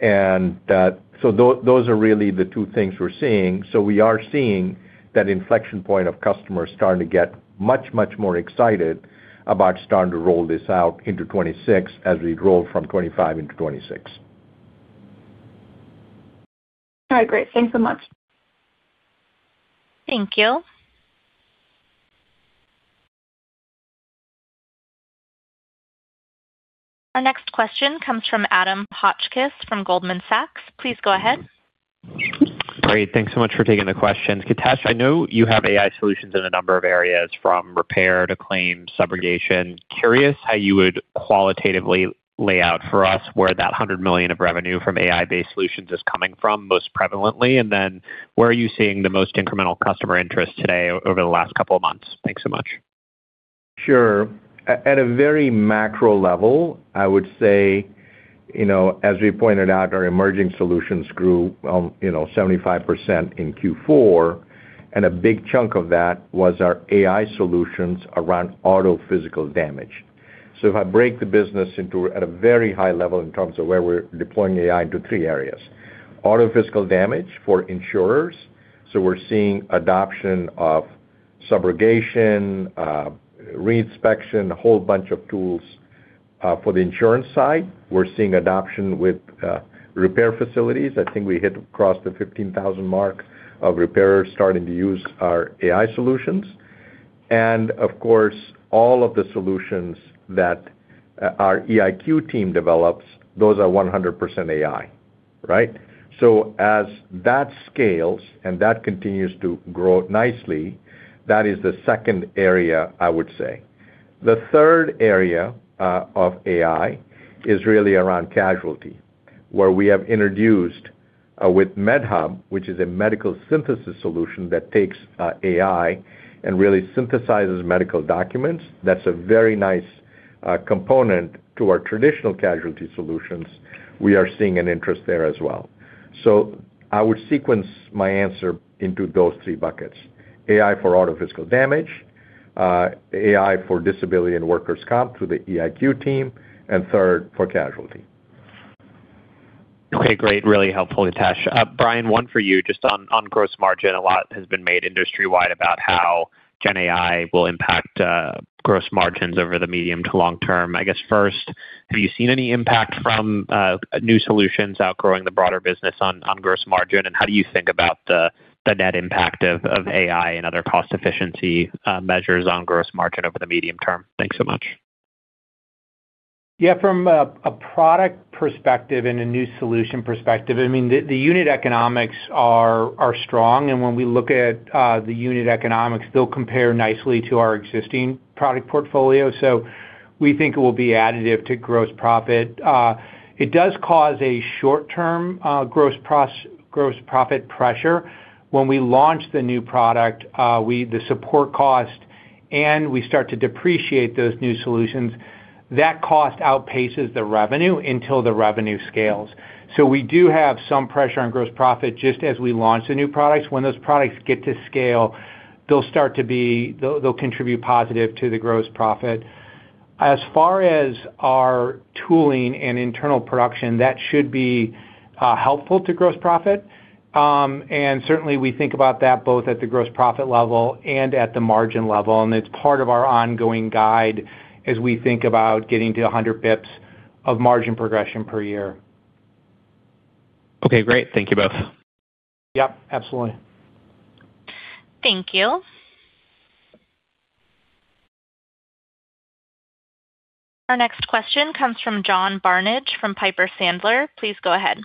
Those are really the two things we're seeing. We are seeing that inflection point of customers starting to get much more excited about starting to roll this out into 2026 as we roll from 2025 into 2026. All right, great. Thanks so much. Thank you. Our next question comes from Adam Hotchkiss from Goldman Sachs. Please go ahead. Great. Thanks so much for taking the question. Githesh, I know you have AI solutions in a number of areas, from repair to claims, subrogation. Curious how you would qualitatively lay out for us where that $100 million of revenue from AI-based solutions is coming from most prevalently, and then where are you seeing the most incremental customer interest today over the last couple of months? Thanks so much. Sure. At a very macro level, I would say, you know, as we pointed out, our Emerging Solutions grew, you know, 75% in Q4, and a big chunk of that was our AI solutions around auto physical damage. If I break the business into at a very high level in terms of where we're deploying AI into three areas: auto physical damage for insurers, we're seeing adoption of subrogation, re-inspection, a whole bunch of tools for the insurance side. We're seeing adoption with repair facilities. I think we hit across the 15,000 mark of repairers starting to use our AI solutions. Of course, all of the solutions that our EvolutionIQ team develops, those are 100% AI, right? As that scales, and that continues to grow nicely, that is the second area, I would say. The third area of AI is really around Casualty, where we have introduced with Medhub, which is a medical synthesis solution that takes AI and really synthesizes medical documents. That's a very nice component to our traditional casualty solutions. We are seeing an interest there as well. I would sequence my answer into those three buckets: AI for auto physical damage, AI for disability and workers' comp through the EvolutionIQ team, and third, for casualty. Okay, great. Really helpful, Githesh. Brian, one for you, just on gross margin. A lot has been made industry-wide about how GenAI will impact gross margins over the medium to long term. I guess, first, have you seen any impact from new solutions outgrowing the broader business on gross margin? How do you think about the net impact of AI and other cost-efficiency measures on gross margin over the medium term? Thanks so much. Yeah, from a product perspective and a new solution perspective, I mean, the unit economics are strong. When we look at the unit economics, they'll compare nicely to our existing product portfolio. We think it will be additive to gross profit. It does cause a short-term gross profit pressure. When we launch the new product, the support cost, and we start to depreciate those new solutions. That cost outpaces the revenue until the revenue scales. We do have some pressure on gross profit just as we launch the new products. When those products get to scale, they'll contribute positive to the gross profit. As far as our tooling and internal production, that should be helpful to gross profit. Certainly, we think about that both at the gross profit level and at the margin level, and it's part of our ongoing guide as we think about getting to 100 pips of margin progression per year. Okay, great. Thank you both. Yep, absolutely. Thank you. Our next question comes from John Barnidge from Piper Sandler. Please go ahead.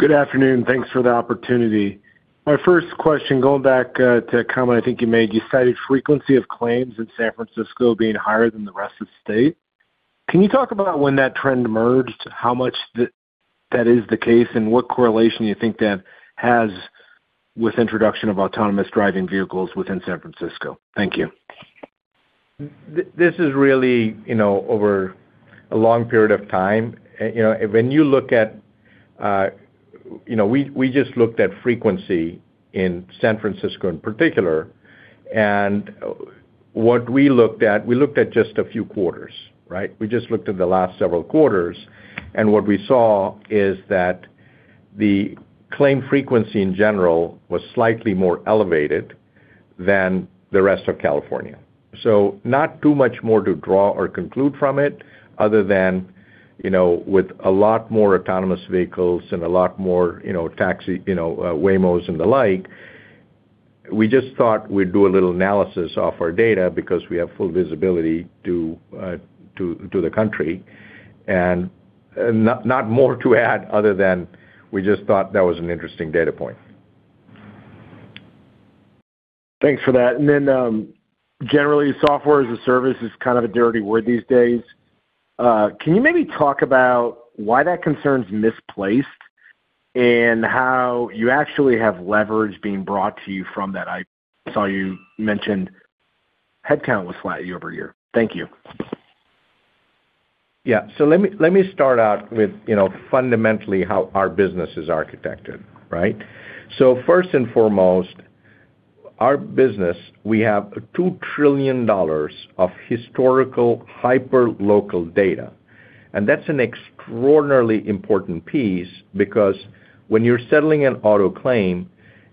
Good afternoon. Thanks for the opportunity. My first question, going back to a comment I think you made, you cited frequency of claims in San Francisco being higher than the rest of the state. Can you talk about when that trend emerged, how much that is the case, and what correlation you think that has with introduction of autonomous driving vehicles within San Francisco? Thank you. This is really, you know, over a long period of time. You know, when you look at, you know, we just looked at frequency in San Francisco in particular, and what we looked at, we looked at just a few quarters, right? We just looked at the last several quarters. What we saw is that the claim frequency in general was slightly more elevated than the rest of California. Not too much more to draw or conclude from it, other than, you know, with a lot more autonomous vehicles and a lot more, you know, taxi, you know, Waymo and the like, we just thought we'd do a little analysis of our data because we have full visibility to the country. Not more to add other than we just thought that was an interesting data point. Thanks for that. Generally, software as a service is kind of a dirty word these days. Can you maybe talk about why that concern's misplaced and how you actually have leverage being brought to you from that? I saw you mentioned headcount was flat year-over-year. Thank you. Yeah. Let me start out with, you know, fundamentally how our business is architected, right? First and foremost, our business, we have $2 trillion of historical, hyperlocal data, and that's an extraordinarily important piece because when you're settling an auto claim,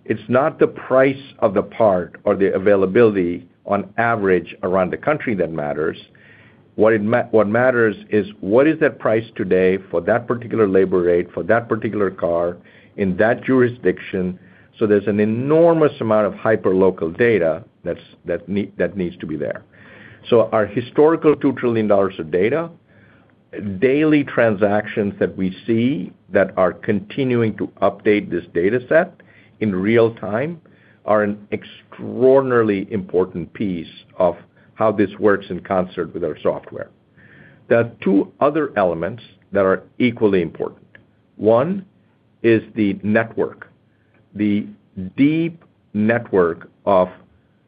it's not the price of the part or the availability on average around the country that matters. What matters is what is that price today for that particular labor rate, for that particular car, in that jurisdiction, so there's an enormous amount of hyperlocal data that needs to be there. Our historical $2 trillion of data, daily transactions that we see that are continuing to update this data set in real time, are an extraordinarily important piece of how this works in concert with our software. There are two other elements that are equally important. One, is the network. The deep network of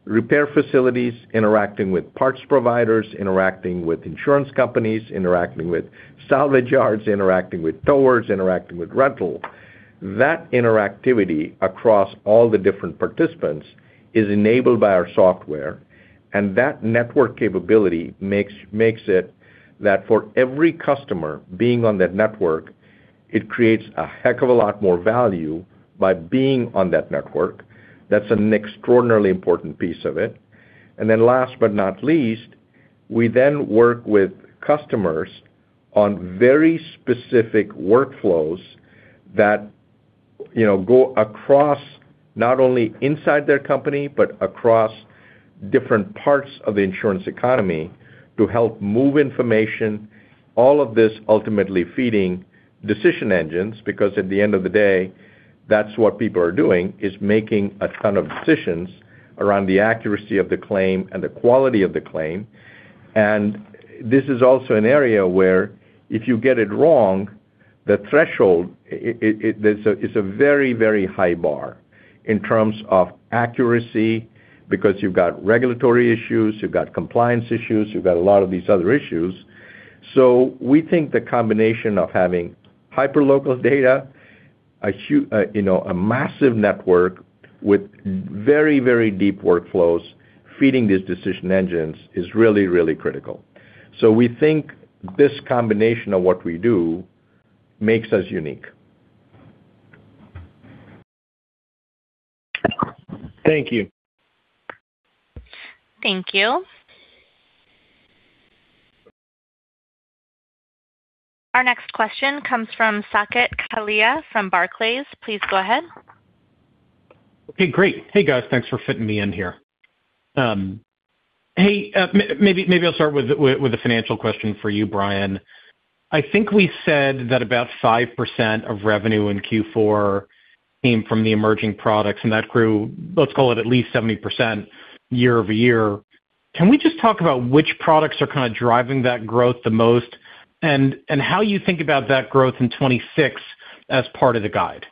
repair facilities interacting with parts providers, interacting with insurance companies, interacting with salvage yards, interacting with towers, interacting with rental. That interactivity across all the different participants is enabled by our software. That network capability makes it that for every customer being on that network, it creates a heck of a lot more value by being on that network. That's an extraordinarily important piece of it. Last but not least, we then work with customers on very specific workflows that, you know, go across not only inside their company, but across different parts of the insurance economy to help move information, all of this ultimately feeding decision engines, because at the end of the day, that's what people are doing, is making a ton of decisions around the accuracy of the claim and the quality of the claim. This is also an area where if you get it wrong, the threshold, it's a very, very high bar in terms of accuracy, because you've got regulatory issues, you've got compliance issues, you've got a lot of these other issues. We think the combination of having hyperlocal data, you know, a massive network with very, very deep workflows, feeding these decision engines is really, really critical. We think this combination of what we do makes us unique. Thank you. Thank you. Our next question comes from Saket Kalia from Barclays. Please go ahead. Okay, great. Hey, guys, thanks for fitting me in here. Hey, maybe I'll start with a financial question for you, Brian. I think we said that about 5% of revenue in Q4 came from the emerging products, and that grew, let's call it at least 70% year-over-year. Can we just talk about which products are kind of driving that growth the most, and how you think about that growth in 2026 as part of the guide?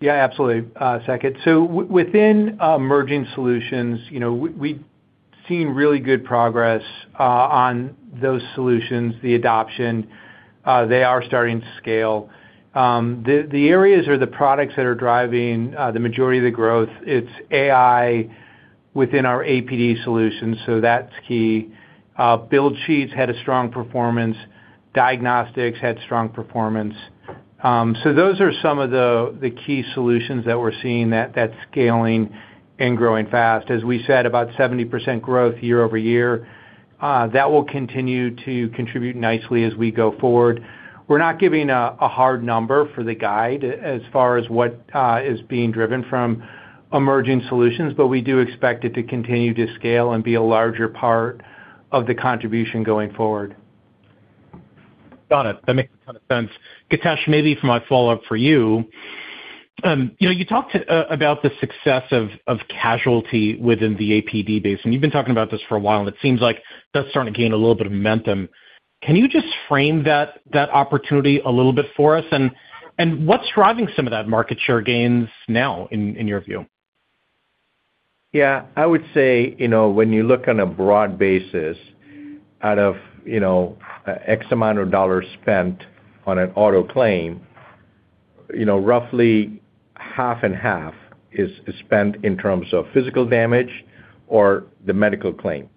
Yeah, absolutely, Saket. Within Emerging Solutions, you know, we've seen really good progress on those solutions, the adoption, they are starting to scale. The areas or the products that are driving the majority of the growth, it's AI within our APD solutions, so that's key. Build Sheets had a strong performance, diagnostics had strong performance. Those are some of the key solutions that we're seeing that's scaling and growing fast. As we said, about 70% growth year-over-year, that will continue to contribute nicely as we go forward. We're not giving a hard number for the guide as far as what is being driven from Emerging Solutions, but we do expect it to continue to scale and be a larger part of the contribution going forward. Got it. That makes a ton of sense. Githesh, maybe for my follow-up for you know, you talked about the success of Casualty within the APD base, and you've been talking about this for a while, and it seems like that's starting to gain a little bit of momentum. Can you just frame that opportunity a little bit for us? What's driving some of that market share gains now in your view? Yeah, I would say, you know, when you look on a broad basis, out of, you know, X amount of dollars spent on an auto claim, you know, roughly half and half is spent in terms of physical damage or the medical claim.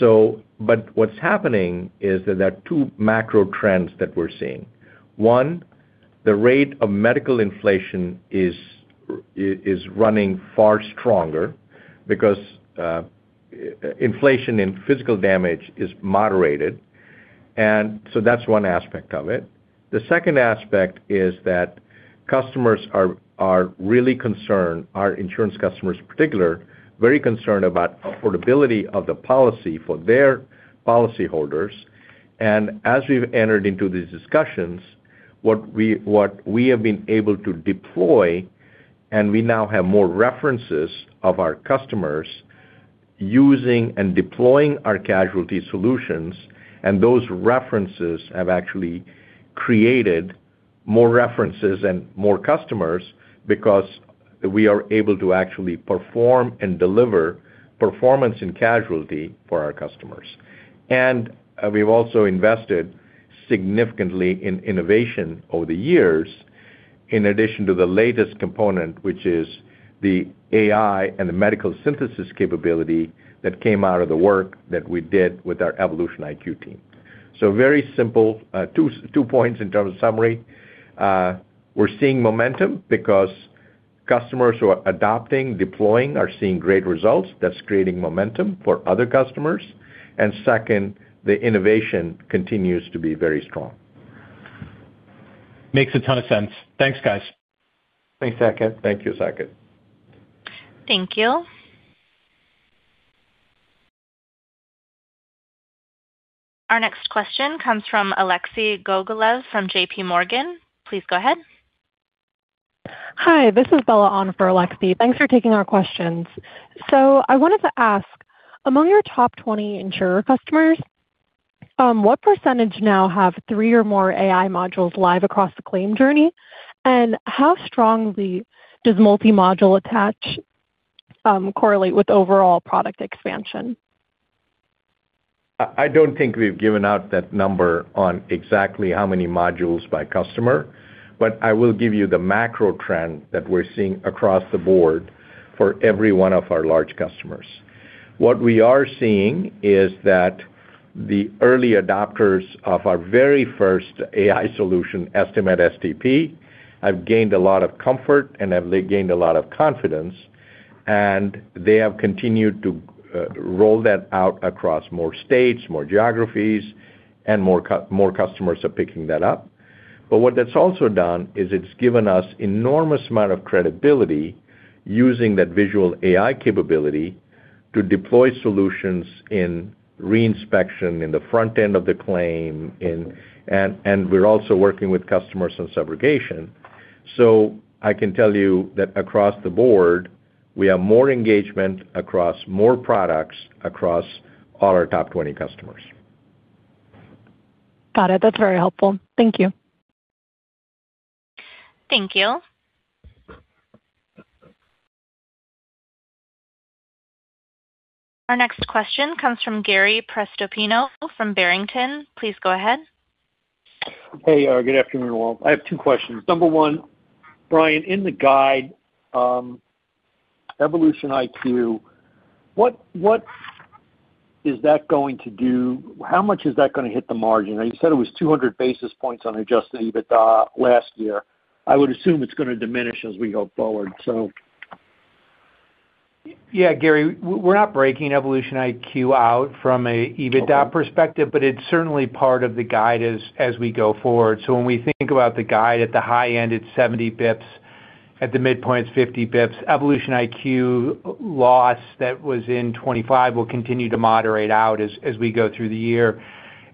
What's happening is that there are two macro trends that we're seeing. One, the rate of medical inflation is running far stronger because inflation in physical damage is moderated, that's one aspect of it. The second aspect is that customers are really concerned, our insurance customers in particular, very concerned about affordability of the policy for their policyholders. As we've entered into these discussions, what we have been able to deploy, and we now have more references of our customers using and deploying our Casualty solutions, and those references have actually created more references and more customers because we are able to actually perform and deliver performance in Casualty for our customers. We've also invested significantly in innovation over the years, in addition to the latest component, which is the AI and the medical synthesis capability that came out of the work that we did with our EvolutionIQ team. Very simple, two points in terms of summary. We're seeing momentum because customers who are adopting, deploying, are seeing great results. That's creating momentum for other customers. Second, the innovation continues to be very strong. Makes a ton of sense. Thanks, guys. Thanks, Saket. Thank you, Saket. Thank you. Our next question comes from Alexei Gogolev from JPMorgan. Please go ahead. Hi, this is Bella on for Alexei. Thanks for taking our questions. I wanted to ask, among your top 20 insurer customers, what percentage now have three or more AI modules live across the claim journey? How strongly does multi-module attach correlate with overall product expansion? I don't think we've given out that number on exactly how many modules by customer. I will give you the macro trend that we're seeing across the board for every one of our large customers. What we are seeing is that the early adopters of our very first AI solution, Estimate-STP, have gained a lot of comfort and have gained a lot of confidence, and they have continued to roll that out across more states, more geographies, and more customers are picking that up. What that's also done is it's given us enormous amount of credibility using that visual AI capability to deploy solutions in reinspection, in the front end of the claim, and we're also working with customers on subrogation. I can tell you that across the board, we have more engagement across more products across all our top 20 customers. Got it. That's very helpful. Thank you. Thank you. Our next question comes from Gary Prestopino from Barrington. Please go ahead. Hey, good afternoon, all. I have two questions. Number one, Brian, in the guide, EvolutionIQ, what is that going to do? How much is that gonna hit the margin? Now, you said it was 200 basis points on Adjusted EBITDA last year. I would assume it's gonna diminish as we go forward, so. Yeah, Gary, we're not breaking EvolutionIQ out from an EBITDA perspective, but it's certainly part of the guide as we go forward. When we think about the guide at the high end, it's 70 basis points, at the midpoint, it's 50 basis points. EvolutionIQ loss that was in 2025 will continue to moderate out as we go through the year.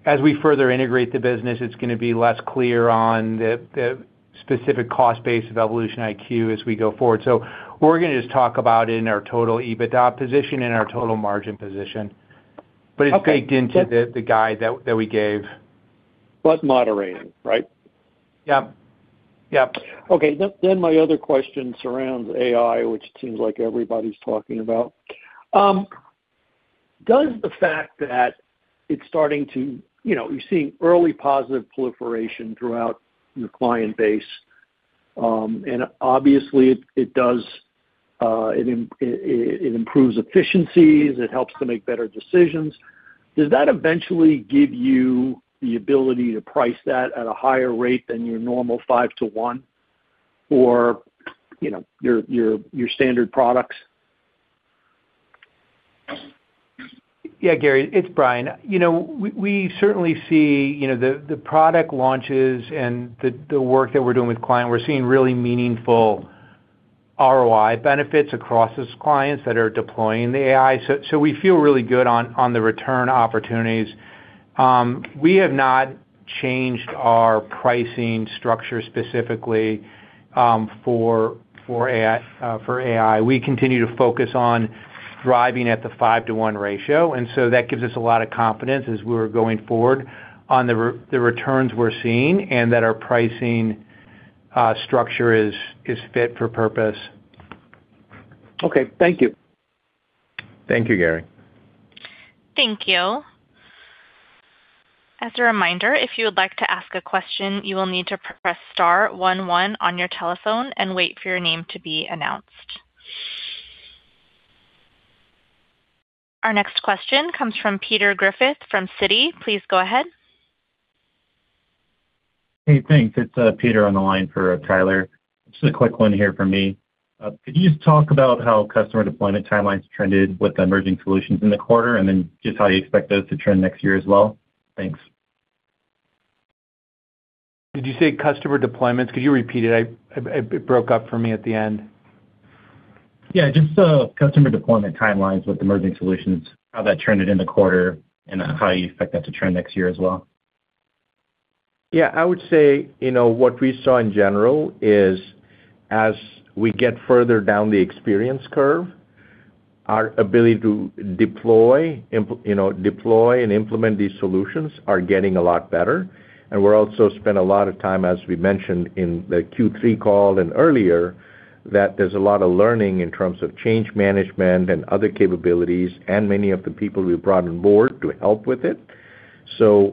As we further integrate the business, it's gonna be less clear on the specific cost base of EvolutionIQ as we go forward. We're gonna just talk about it in our total EBITDA position and our total margin position. Okay. It's baked into the guide that we gave. Moderated, right? Yep. Yep. Okay. My other question surrounds AI, which seems like everybody's talking about. Does the fact that it's starting to, you know, you're seeing early positive proliferation throughout your client base, and obviously, it does, it improves efficiencies, it helps to make better decisions. Does that eventually give you the ability to price that at a higher rate than your normal 5 to 1, or, you know, your standard products? Yeah, Gary, it's Brian. You know, we certainly see, you know, the product launches and the work that we're doing with client, we're seeing really meaningful ROI benefits across these clients that are deploying the AI. We feel really good on the return opportunities. We have not changed our pricing structure specifically for AI, for AI. We continue to focus on driving at the 5 to 1 ratio, that gives us a lot of confidence as we're going forward on the returns we're seeing and that our pricing structure is fit for purpose. Okay, thank you. Thank you, Gary. Thank you. As a reminder, if you would like to ask a question, you will need to press star one one on your telephone and wait for your name to be announced. Our next question comes from Peter Griffith from Citi. Please go ahead. Hey, thanks. It's Peter on the line for Tyler. Just a quick one here for me. Could you just talk about how customer deployment timelines trended with the Emerging Solutions in the quarter, just how you expect those to trend next year as well? Thanks. Did you say customer deployments? Could you repeat it? It broke up for me at the end. Just, customer deployment timelines with Emerging Solutions, how that trended in the quarter and how you expect that to trend next year as well. Yeah, I would say, you know, what we saw in general is as we get further down the experience curve, our ability to deploy, you know, deploy and implement these solutions are getting a lot better. We're also spent a lot of time, as we mentioned in the Q3 call and earlier, that there's a lot of learning in terms of change management and other capabilities and many of the people we've brought on board to help with it.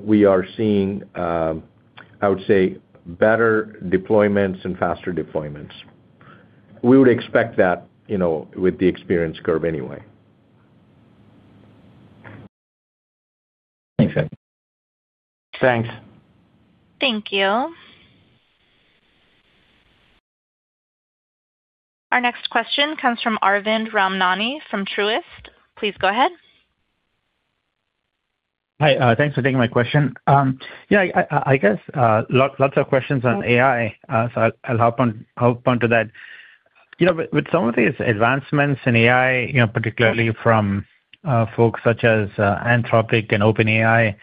We are seeing, I would say, better deployments and faster deployments. We would expect that, you know, with the experience curve anyway. Thanks. Thanks. Thank you. Our next question comes from Arvind Ramnani from Truist. Please go ahead. Hi, thanks for taking my question. Yeah, I guess, lots of questions on AI, so I'll hop onto that. You know, with some of these advancements in AI, you know, particularly from folks such as Anthropic and OpenAI,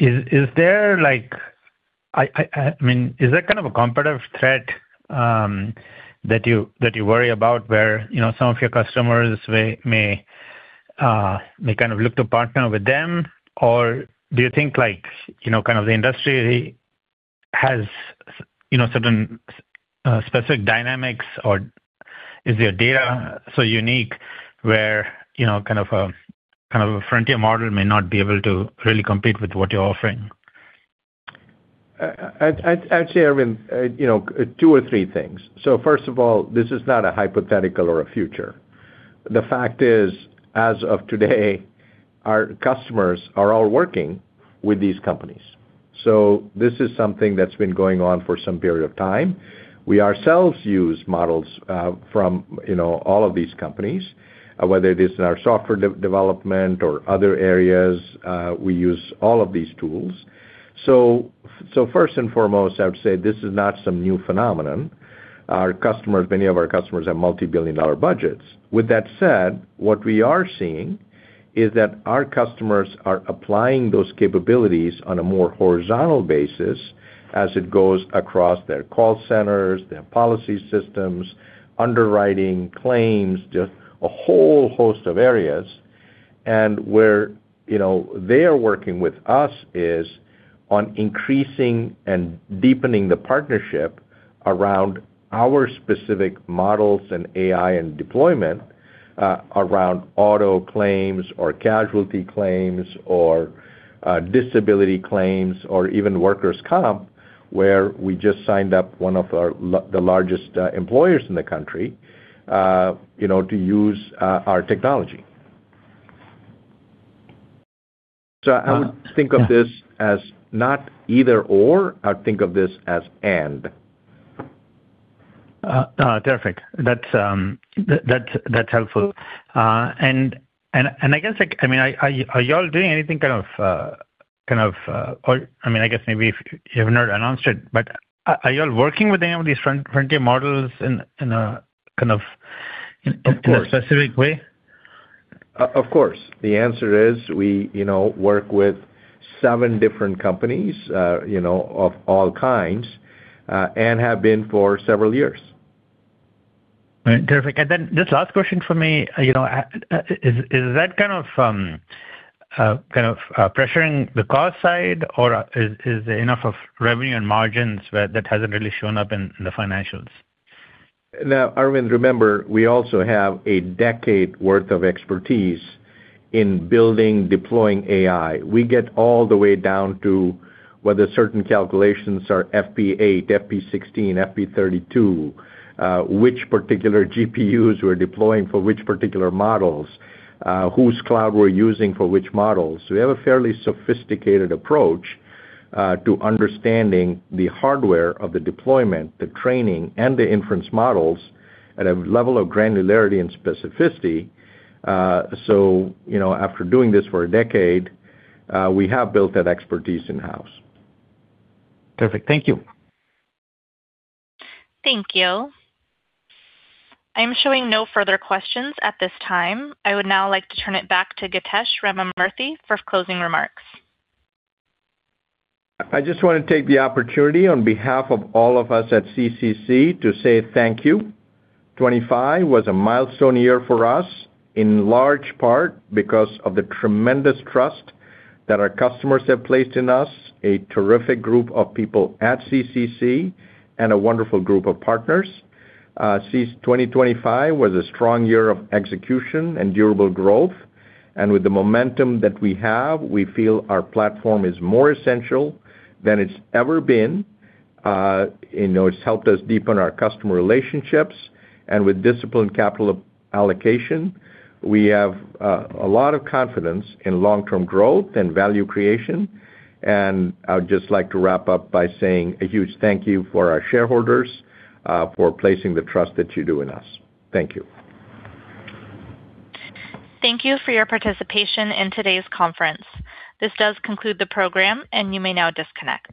is there like... I mean, is that kind of a competitive threat that you worry about, where, you know, some of your customers may look to partner with them? Do you think, like, you know, the industry has, you know, certain specific dynamics, or is their data so unique where, you know, a frontier model may not be able to really compete with what you're offering? I'd say, Arvind, you know, two or three things. First of all, this is not a hypothetical or a future. The fact is, as of today, our customers are all working with these companies, this is something that's been going on for some period of time. We ourselves use models, from, you know, all of these companies, whether it is in our software development or other areas, we use all of these tools. First and foremost, I would say this is not some new phenomenon. Our customers, many of our customers, have multi-billion-dollar budgets. With that said, what we are seeing is that our customers are applying those capabilities on a more horizontal basis as it goes across their call centers, their policy systems, underwriting, claims, just a whole host of areas. Where, you know, they are working with us is on increasing and deepening the partnership around our specific models and AI and deployment, around auto claims or casualty claims or disability claims, or even workers' comp, where we just signed up one of our the largest employers in the country, you know, to use our technology. I would think of this as not either/or. I would think of this as and. Perfect. That's helpful. I guess, I mean, are you all doing anything kind of... or, I mean, I guess maybe if you have not announced it, but are you all working with any of these frontier models in a specific way? Of course. The answer is we, you know, work with seven different companies, you know, of all kinds, and have been for several years. Right. Terrific. This last question for me, you know, is that kind of pressuring the cost side, or is there enough of revenue and margins where that hasn't really shown up in the financials? Arvind, remember, we also have a decade worth of expertise in building, deploying AI. We get all the way down to whether certain calculations are FP8, FP16, FP32, which particular GPUs we're deploying for which particular models, whose cloud we're using for which models. We have a fairly sophisticated approach to understanding the hardware of the deployment, the training, and the inference models at a level of granularity and specificity. You know, after doing this for a decade, we have built that expertise in-house. Perfect. Thank you. Thank you. I'm showing no further questions at this time. I would now like to turn it back to Githesh Ramamurthy for closing remarks. I just want to take the opportunity on behalf of all of us at CCC to say thank you. 2025 was a milestone year for us, in large part because of the tremendous trust that our customers have placed in us, a terrific group of people at CCC, and a wonderful group of partners. Since 2025 was a strong year of execution and durable growth, and with the momentum that we have, we feel our platform is more essential than it's ever been. You know, it's helped us deepen our customer relationships, and with disciplined capital allocation, we have a lot of confidence in long-term growth and value creation. I would just like to wrap up by saying a huge thank you for our shareholders, for placing the trust that you do in us. Thank you. Thank you for your participation in today's conference. This does conclude the program. You may now disconnect.